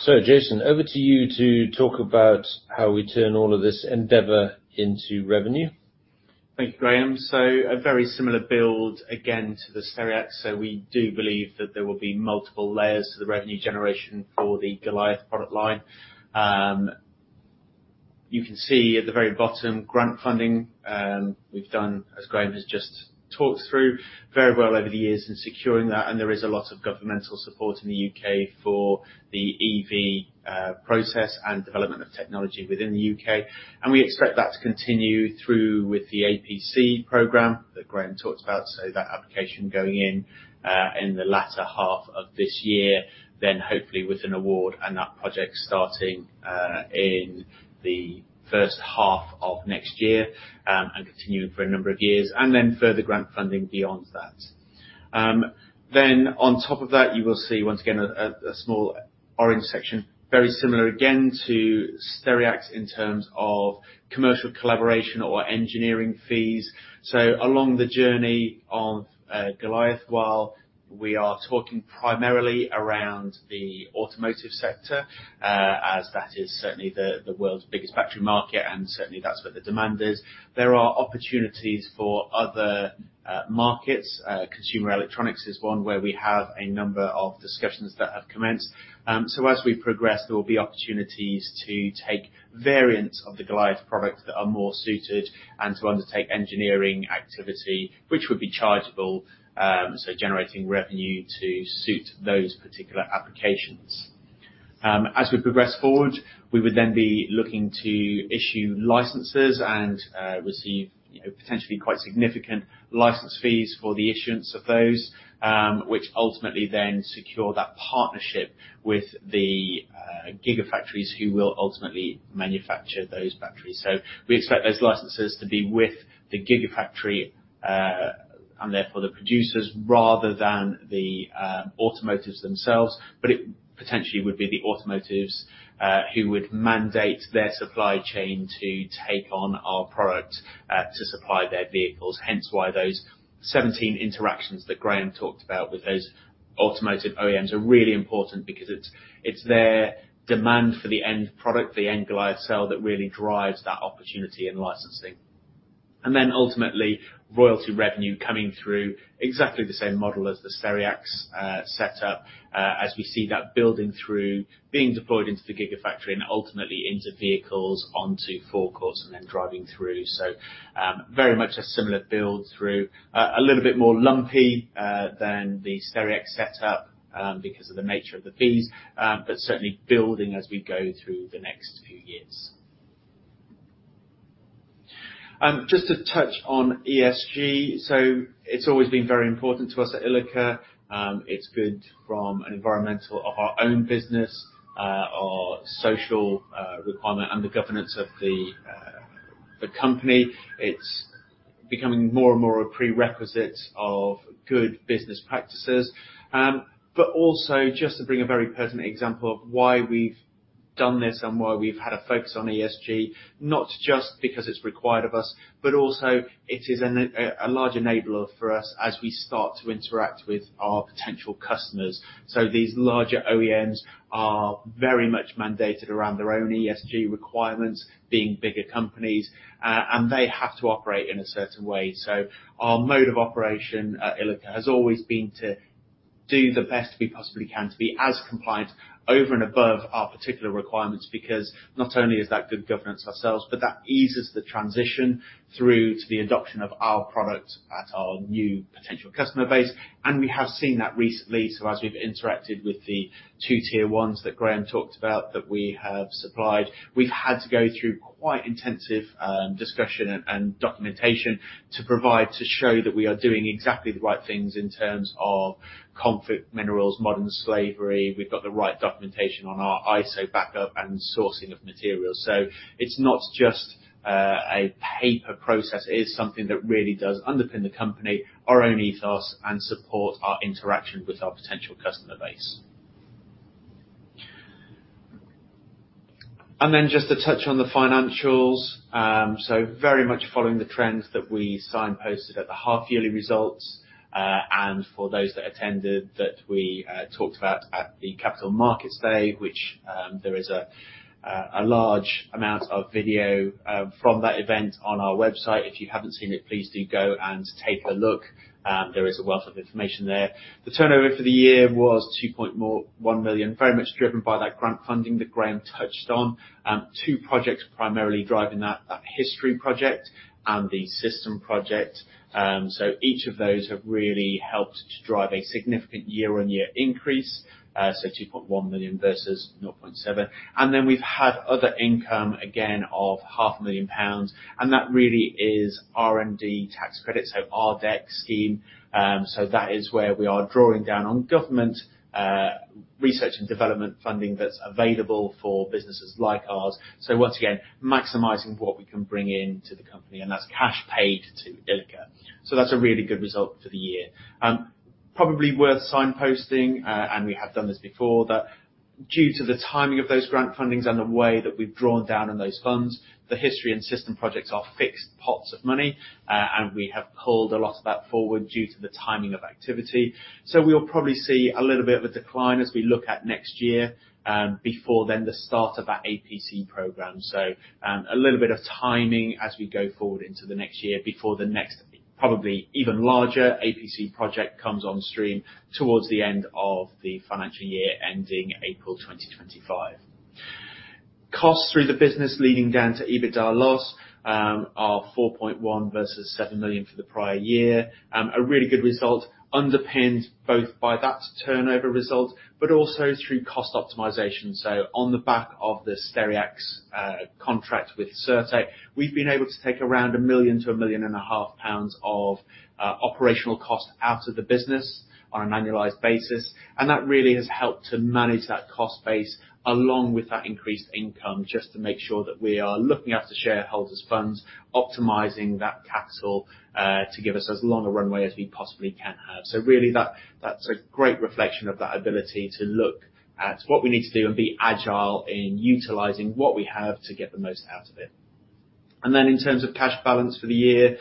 So Jason, over to you to talk about how we turn all of this endeavor into revenue. Thank you, Graham. So a very similar build, again, to the Stereax. So we do believe that there will be multiple layers to the revenue generation for the Goliath product line. You can see at the very bottom, grant funding, we've done, as Graham has just talked through, very well over the years in securing that, and there is a lot of governmental support in the U.K. for the EV, process and development of technology within the U.K. We expect that to continue through with the APC program that Graham talked about, so that application going in, in the latter half of this year, then hopefully with an award and that project starting, in the first half of next year, and continuing for a number of years, and then further grant funding beyond that. Then on top of that, you will see, once again, a small orange section, very similar, again, to Stereax in terms of commercial collaboration or engineering fees. So along the journey of Goliath, while we are talking primarily around the automotive sector, as that is certainly the world's biggest battery market, and certainly that's where the demand is, there are opportunities for other markets. Consumer electronics is one where we have a number of discussions that have commenced. So as we progress, there will be opportunities to take variants of the Goliath product that are more suited, and to undertake engineering activity, which would be chargeable, so generating revenue to suit those particular applications. As we progress forward, we would then be looking to issue licenses and receive, you know, potentially quite significant license fees for the issuance of those, which ultimately then secure that partnership with the gigafactories who will ultimately manufacture those batteries. So we expect those licenses to be with the gigafactory and therefore the producers, rather than the automotives themselves, but it potentially would be the automotives who would mandate their supply chain to take on our product to supply their vehicles. Hence why those 17 interactions that Graham talked about with those automotive OEMs are really important because it's their demand for the end product, the end Goliath cell, that really drives that opportunity and licensing. And then ultimately, royalty revenue coming through exactly the same model as the Stereax set up, as we see that building through, being deployed into the gigafactory and ultimately into vehicles, onto forecourt, and then driving through. So, very much a similar build through. A little bit more lumpy than the Stereax set up, because of the nature of the fees, but certainly building as we go through the next few years. Just to touch on ESG, so it's always been very important to us at Ilika. It's good from an environmental of our own business, our social requirement, and the governance of the company. It's becoming more and more a prerequisite of good business practices. But also just to bring a very personal example of why we've done this and why we've had a focus on ESG, not just because it's required of us, but also it is a large enabler for us as we start to interact with our potential customers. So these larger OEMs are very much mandated around their own ESG requirements, being bigger companies, and they have to operate in a certain way. So our mode of operation at Ilika has always been to do the best we possibly can to be as compliant over and above our particular requirements, because not only is that good governance ourselves, but that eases the transition through to the adoption of our product at our new potential customer base. And we have seen that recently, so as we've interacted with the two-tier ones that Graham talked about, that we have supplied, we've had to go through quite intensive discussion and documentation to provide, to show that we are doing exactly the right things in terms of conflict minerals, modern slavery. We've got the right documentation on our ISO backup and sourcing of materials. So it's not just a paper process, it is something that really does underpin the company, our own ethos, and support our interaction with our potential customer base.... And then just to touch on the financials, so very much following the trends that we signposted at the half yearly results. And for those that attended that we talked about at the Capital Markets Day, which there is a large amount of video from that event on our website. If you haven't seen it, please do go and take a look. There is a wealth of information there. The turnover for the year was 2.1 million, very much driven by that grant funding that Graham touched on. Two projects primarily driving that, the Stereax project and the system project. So each of those have really helped to drive a significant year-on-year increase, so 2.1 million versus 0.7 million. And then we've had other income again of 500,000 pounds, and that really is R&D tax credits, so RDEC scheme. So that is where we are drawing down on government, research and development funding that's available for businesses like ours. So once again, maximizing what we can bring into the company, and that's cash paid to Ilika. So that's a really good result for the year. Probably worth signposting, and we have done this before, that due to the timing of those grant fundings and the way that we've drawn down on those funds, the HISTORY and system projects are fixed pots of money, and we have pulled a lot of that forward due to the timing of activity. So we'll probably see a little bit of a decline as we look at next year, before then, the start of that APC program. So, a little bit of timing as we go forward into the next year before the next, probably even larger APC project comes on stream towards the end of the financial year, ending April 2025. Costs through the business, leading down to EBITDA loss, are 4.1 million versus 7 million for the prior year. A really good result, underpinned both by that turnover result, but also through cost optimization. So on the back of the Stereax contract with Cirtec, we've been able to take around 1 million to 1.5 million of operational cost out of the business on an annualized basis. And that really has helped to manage that cost base along with that increased income, just to make sure that we are looking after shareholders' funds, optimizing that capital, to give us as long a runway as we possibly can have. So really, that, that's a great reflection of that ability to look at what we need to do and be agile in utilizing what we have to get the most out of it. And then, in terms of cash balance for the year,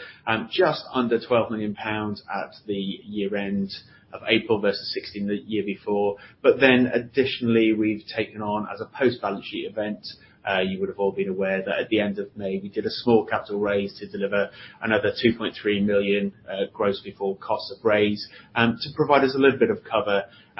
just under 12 million pounds at the year-end of April versus 16 million GBP the year before. But then additionally, we've taken on, as a post-balance sheet event, you would have all been aware that at the end of May, we did a small capital raise to deliver another 2.3 million, gross before cost of raise, to provide us a little bit of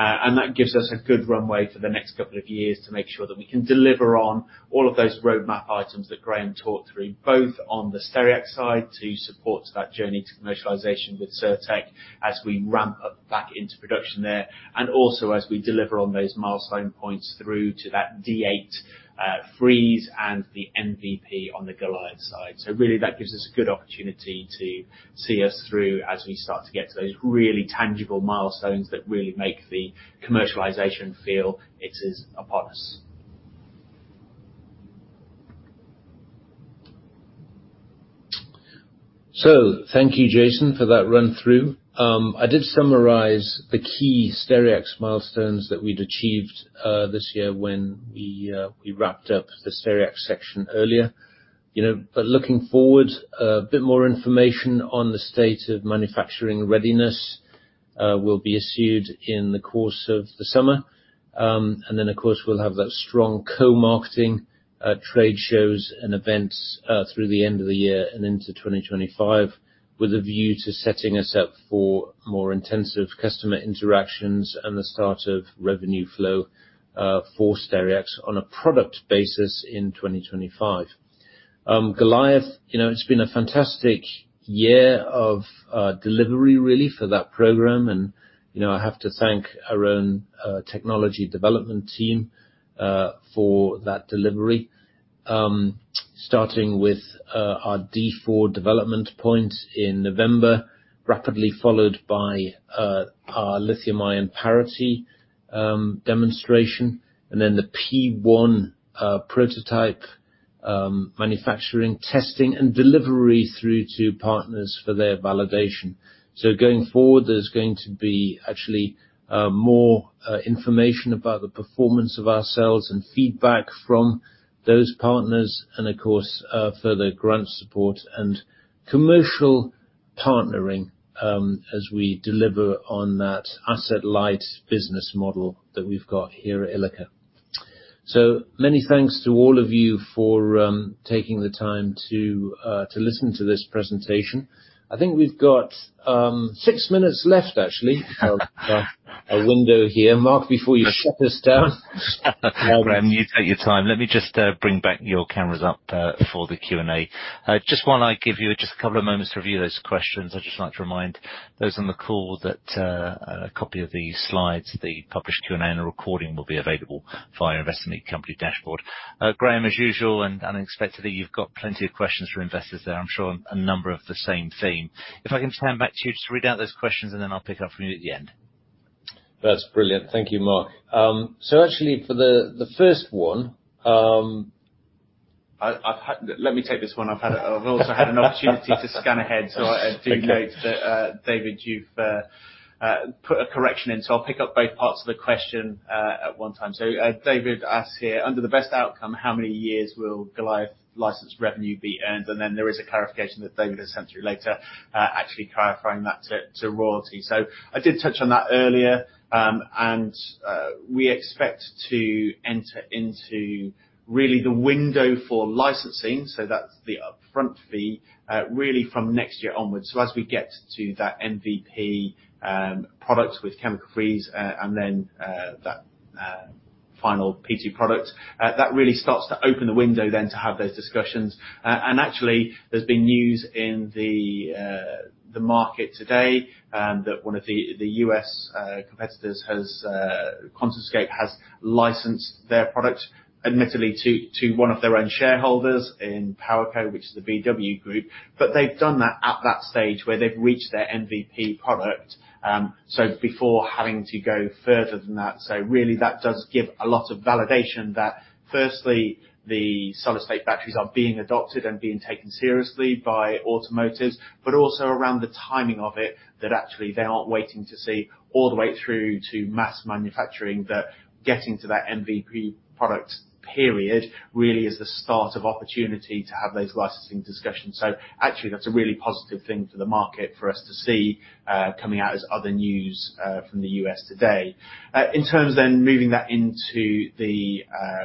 cover. And that gives us a good runway for the next couple of years to make sure that we can deliver on all of those roadmap items that Graham talked through, both on the Stereax side, to support that journey to commercialization with Cirtec as we ramp up back into production there, and also as we deliver on those milestone points through to that D8 freeze and the MVP on the Goliath side. So really, that gives us a good opportunity to see us through as we start to get to those really tangible milestones that really make the commercialization feel it is upon us. So thank you, Jason, for that run through. I did summarize the key Stereax milestones that we'd achieved this year when we wrapped up the Stereax section earlier. You know, but looking forward, a bit more information on the state of manufacturing readiness will be issued in the course of the summer. And then, of course, we'll have that strong co-marketing trade shows and events through the end of the year and into 2025, with a view to setting us up for more intensive customer interactions and the start of revenue flow for Stereax on a product basis in 2025. Goliath, you know, it's been a fantastic year of delivery really for that program, and, you know, I have to thank our own technology development team for that delivery. Starting with our D4 development point in November, rapidly followed by our lithium-ion parity demonstration, and then the P1 prototype manufacturing, testing, and delivery through to partners for their validation. So going forward, there's going to be actually more information about the performance of our sales and feedback from those partners, and of course further grant support and commercial partnering as we deliver on that asset light business model that we've got here at Ilika. So many thanks to all of you for taking the time to listen to this presentation. I think we've got six minutes left, actually, a window here. Mark, before you shut us down. Graham, you take your time. Let me just bring back your cameras up for the Q&A. Just while I give you just a couple of moments to review those questions, I'd just like to remind those on the call that a copy of the slides, the published Q&A, and a recording will be available via Investor Meet Company Dashboard. Graham, as usual, and unexpectedly, you've got plenty of questions from investors there. I'm sure a number of the same theme. If I can turn back to you just to read out those questions, and then I'll pick up from you at the end. That's brilliant. Thank you, Mark. So actually, for the first one,... Let me take this one. I've had, I've also had an opportunity to scan ahead, so I do note that, David, you've put a correction in, so I'll pick up both parts of the question at one time. So, David asks here, "Under the best outcome, how many years will Goliath license revenue be earned?" And then there is a clarification that David has sent through later, actually clarifying that to royalty. So I did touch on that earlier. And, we expect to enter into really the window for licensing, so that's the upfront fee, really from next year onwards. So as we get to that MVP, product with Chemistry Freeze, and then, that final P2 product, that really starts to open the window then to have those discussions. And actually, there's been news in the market today that one of the U.S. competitors, QuantumScape, has licensed their product, admittedly, to one of their own shareholders in PowerCo, which is the BMW Group. But they've done that at that stage where they've reached their MVP product, so before having to go further than that. So really, that does give a lot of validation that firstly, the solid-state batteries are being adopted and being taken seriously by automotives, but also around the timing of it, that actually they aren't waiting to see all the way through to mass manufacturing, that getting to that MVP product period, really is the start of opportunity to have those licensing discussions. So actually, that's a really positive thing for the market for us to see, coming out as other news from the U.S. today. In terms then moving that into the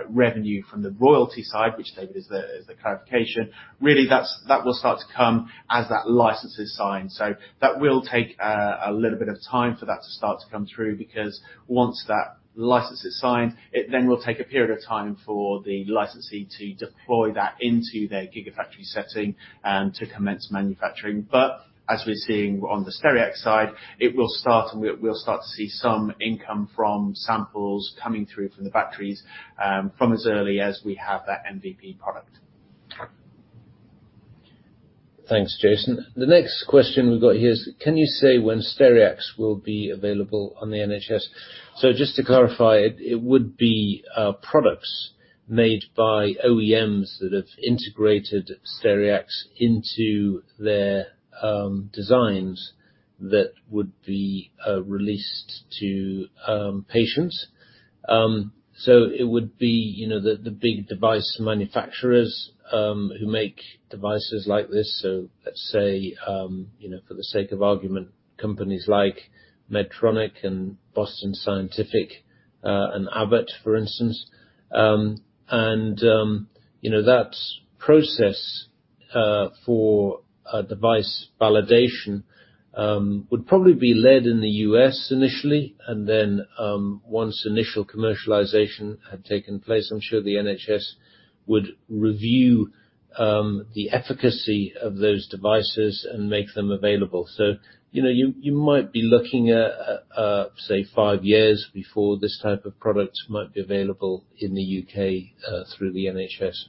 revenue from the royalty side, which David, is the clarification, really, that's that will start to come as that license is signed. So that will take a little bit of time for that to start to come through, because once that license is signed, it then will take a period of time for the licensee to deploy that into their gigafactory setting and to commence manufacturing. But as we're seeing on the Stereax side, it will start, and we'll start to see some income from samples coming through from the batteries, from as early as we have that MVP product. Thanks, Jason. The next question we've got here is: Can you say when Stereax will be available on the NHS? So just to clarify, it would be products made by OEMs that have integrated Stereax into their designs that would be released to patients. So it would be, you know, the big device manufacturers who make devices like this, so let's say, you know, for the sake of argument, companies like Medtronic and Boston Scientific, and Abbott, for instance. And, you know, that process for a device validation would probably be led in the U.S. initially, and then, once initial commercialization had taken place, I'm sure the NHS would review the efficacy of those devices and make them available. So, you know, you might be looking at, say, five years before this type of product might be available in the U.K, through the NHS.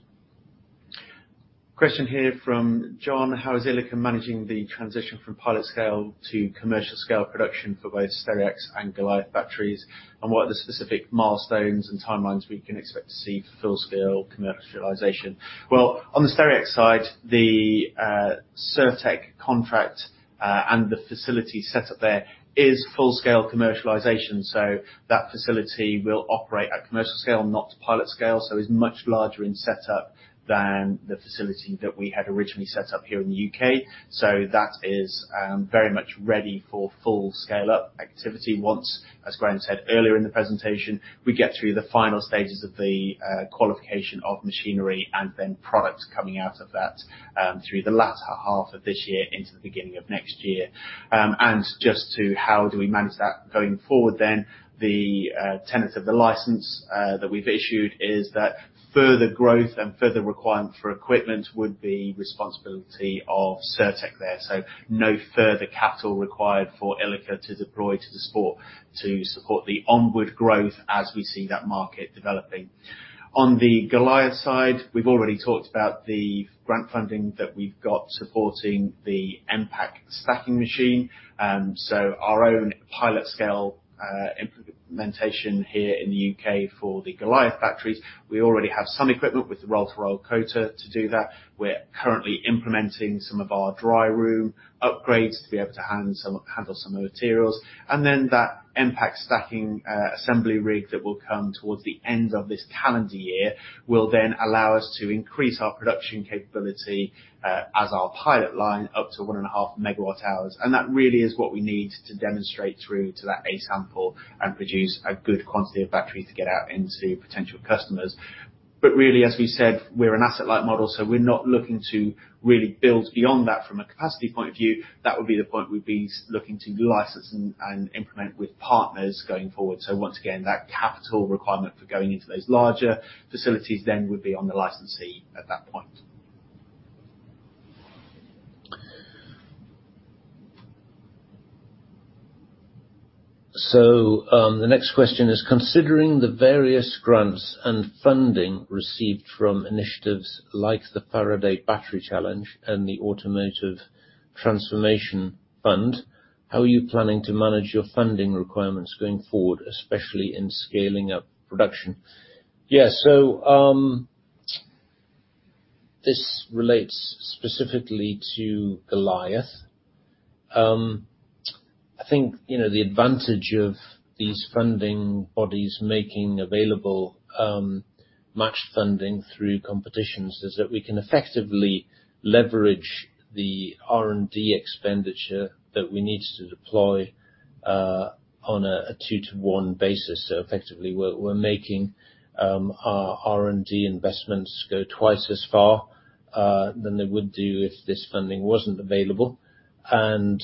Question here from John: How is Ilika managing the transition from pilot scale to commercial scale production for both Stereax and Goliath batteries? And what are the specific milestones and timelines we can expect to see for full scale commercialization? Well, on the Stereax side, the Cirtec contract and the facility set up there is full scale commercialization. So that facility will operate at commercial scale, not pilot scale, so is much larger in setup than the facility that we had originally set up here in the U.K. So that is very much ready for full scale-up activity once, as Graham said earlier in the presentation, we get through the final stages of the qualification of machinery and then products coming out of that through the latter half of this year into the beginning of next year. And just to how do we manage that going forward then, the tenets of the license that we've issued is that further growth and further requirement for equipment would be responsibility of Cirtec there. So no further capital required for Ilika to deploy, to support, to support the onward growth as we see that market developing. On the Goliath side, we've already talked about the grant funding that we've got supporting the Mpac stacking machine. So our own pilot scale implementation here in the U.K. for the Goliath batteries, we already have some equipment with the roll-to-roll coater to do that. We're currently implementing some of our dry room upgrades to be able to handle some of the materials, and then that Mpac stacking assembly rig that will come towards the end of this calendar year will then allow us to increase our production capability as our pilot line up to 1.5 MWh. And that really is what we need to demonstrate through to that A-sample and produce a good quantity of battery to get out into potential customers. But really, as we've said, we're an asset-light model, so we're not looking to really build beyond that from a capacity point of view. That would be the point we'd be looking to license and implement with partners going forward. So once again, that capital requirement for going into those larger facilities then would be on the licensee at that point. So, the next question is: Considering the various grants and funding received from initiatives like the Faraday Battery Challenge and the Automotive Transformation Fund, how are you planning to manage your funding requirements going forward, especially in scaling up production? This relates specifically to Goliath. I think, you know, the advantage of these funding bodies making available match funding through competitions is that we can effectively leverage the R&D expenditure that we need to deploy on a 2-to-1 basis. So effectively, we're making our R&D investments go twice as far than they would do if this funding wasn't available. And,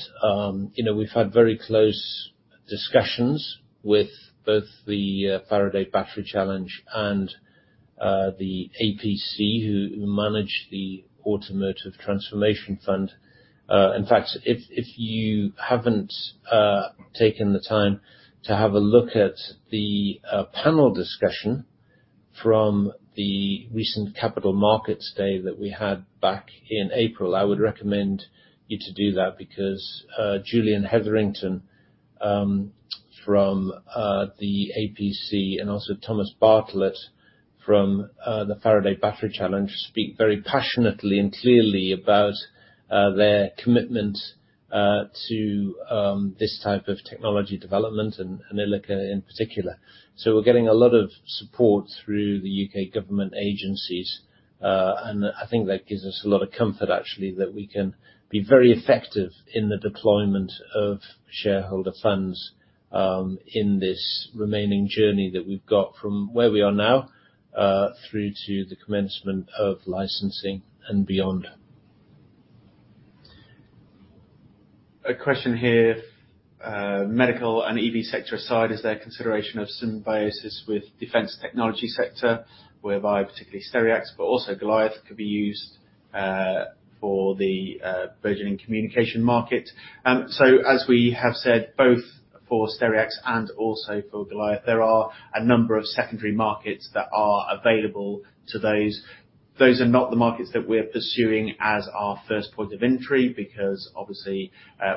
you know, we've had very close discussions with both the Faraday Battery Challenge and the APC, who manage the Automotive Transformation Fund. In fact, if you haven't taken the time to have a look at the panel discussion from the recent Capital Markets Day that we had back in April, I would recommend you to do that, because Julian Hetherington from the APC, and also Thomas Bartlett from the Faraday Battery Challenge, speak very passionately and clearly about their commitment to this type of technology development and Ilika in particular. So we're getting a lot of support through the U.K. government agencies, and I think that gives us a lot of comfort, actually, that we can be very effective in the deployment of shareholder funds in this remaining journey that we've got from where we are now through to the commencement of licensing and beyond. A question here: medical and EV sector aside, is there consideration of symbiosis with defense technology sector, whereby particularly Stereax, but also Goliath, could be used, for the burgeoning communication market? So as we have said, both for Stereax and also for Goliath, there are a number of secondary markets that are available to those. Those are not the markets that we're pursuing as our first point of entry, because, obviously,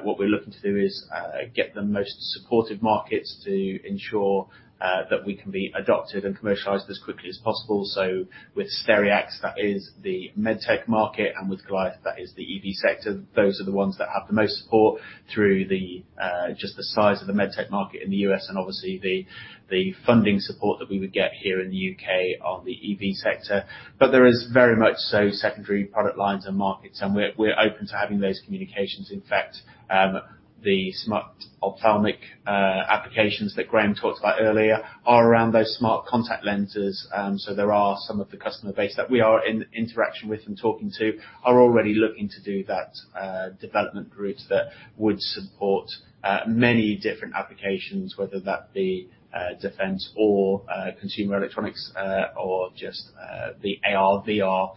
what we're looking to do is, get the most supportive markets to ensure, that we can be adopted and commercialized as quickly as possible. So with Stereax, that is the med tech market, and with Goliath, that is the EV sector. Those are the ones that have the most support through the just the size of the med tech market in the U.S., and obviously the funding support that we would get here in the U.K. on the EV sector. But there is very much so secondary product lines and markets, and we're, we're open to having those communications. In fact, the smart ophthalmic applications that Graham talked about earlier are around those smart contact lenses. So there are some of the customer base that we are in interaction with and talking to are already looking to do that development route that would support many different applications, whether that be defense or consumer electronics or just the AR/VR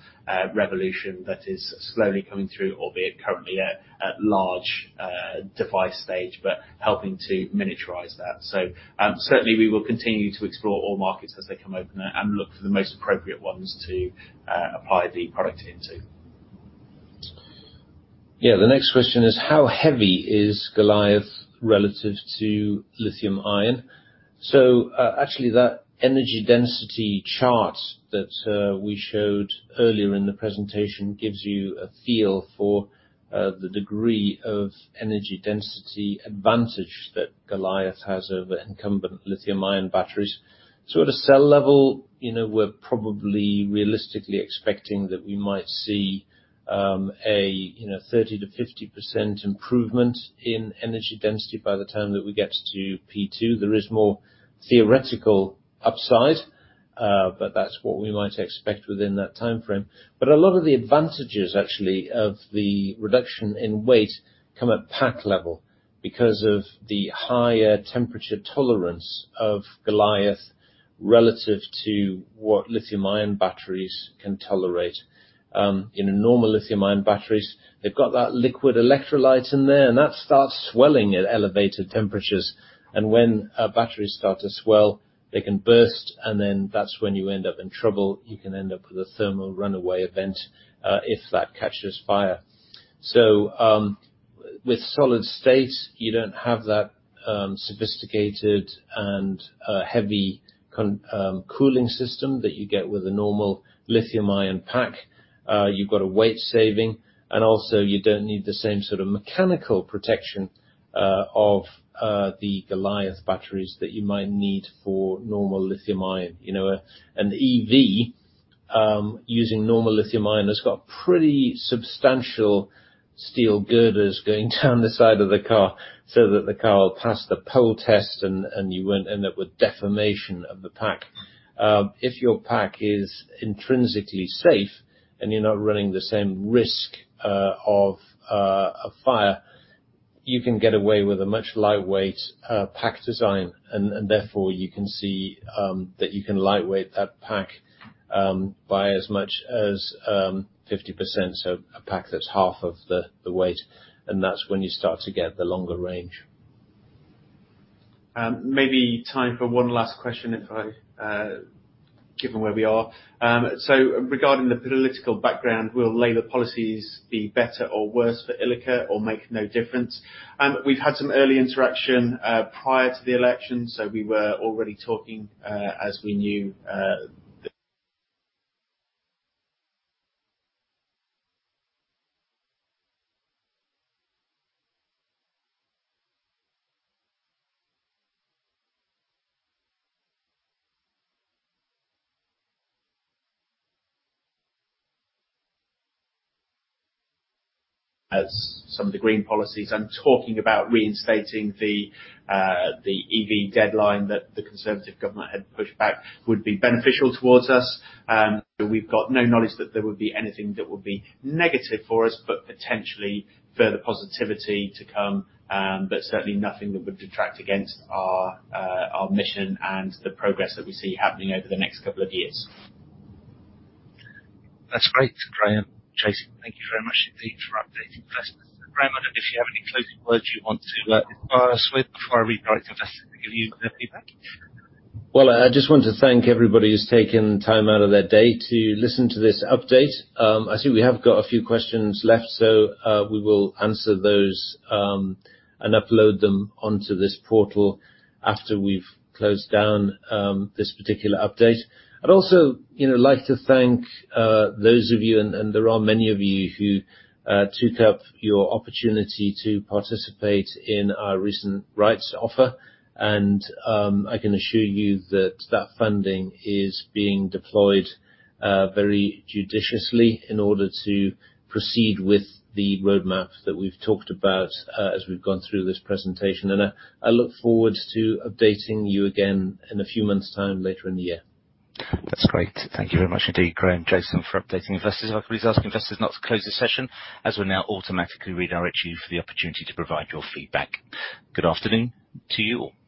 revolution that is slowly coming through, albeit currently at large device stage, but helping to miniaturize that. So, certainly we will continue to explore all markets as they come open, and look for the most appropriate ones to apply the product into. Yeah, the next question is, how heavy is Goliath relative to lithium-ion? So, actually, that energy density chart that we showed earlier in the presentation gives you a feel for the degree of energy density advantage that Goliath has over incumbent lithium-ion batteries. So at a cell level, you know, we're probably realistically expecting that we might see, you know, 30%-50% improvement in energy density by the time that we get to P2. There is more theoretical upside, but that's what we might expect within that timeframe. But a lot of the advantages, actually, of the reduction in weight come at pack level, because of the higher temperature tolerance of Goliath relative to what lithium-ion batteries can tolerate. In normal lithium-ion batteries, they've got that liquid electrolyte in there, and that starts swelling at elevated temperatures. And when batteries start to swell, they can burst, and then that's when you end up in trouble, you can end up with a thermal runaway event, if that catches fire. So, with solid-state, you don't have that, sophisticated and heavy cooling system that you get with a normal lithium-ion pack. You've got a weight saving, and also you don't need the same sort of mechanical protection of the Goliath batteries that you might need for normal lithium-ion. You know, an EV using normal lithium-ion, has got pretty substantial steel girders going down the side of the car, so that the car will pass the pole test, and you won't end up with deformation of the pack. If your pack is intrinsically safe and you're not running the same risk of fire, you can get away with a much lightweight pack design. Therefore, you can see that you can lightweight that pack by as much as 50%, so a pack that's half of the weight, and that's when you start to get the longer range. Maybe time for one last question if I... Given where we are. So regarding the political background, will Labour policies be better or worse for Ilika or make no difference? We've had some early interaction prior to the election, so we were already talking, as we knew, as some of the green policies, I'm talking about reinstating the EV deadline that the Conservative government had pushed back, would be beneficial toward us. We've got no knowledge that there would be anything that would be negative for us, but potentially further positivity to come, but certainly nothing that would detract against our mission and the progress that we see happening over the next couple of years. That's great, Graham, Jason, thank you very mu.ch indeed for updating investors. Graham, I don't know if you have any closing words you want to share with us before I redirect investors to give you their feedback? Well, I just want to thank everybody who's taken time out of their day to listen to this update. I see we have got a few questions left, so, we will answer those, and upload them onto this portal after we've closed down, this particular update. I'd also, you know, like to thank, those of you, and, and there are many of you, who, took up your opportunity to participate in our recent rights offer, and, I can assure you that that funding is being deployed, very judiciously in order to proceed with the roadmap that we've talked about, as we've gone through this presentation. I look forward to updating you again in a few months' time, later in the year. That's great. Thank you very much indeed, Graham and Jason, for updating investors. If I could just ask investors not to close this session, as we'll now automatically redirect you for the opportunity to provide your feedback. Good afternoon to you all.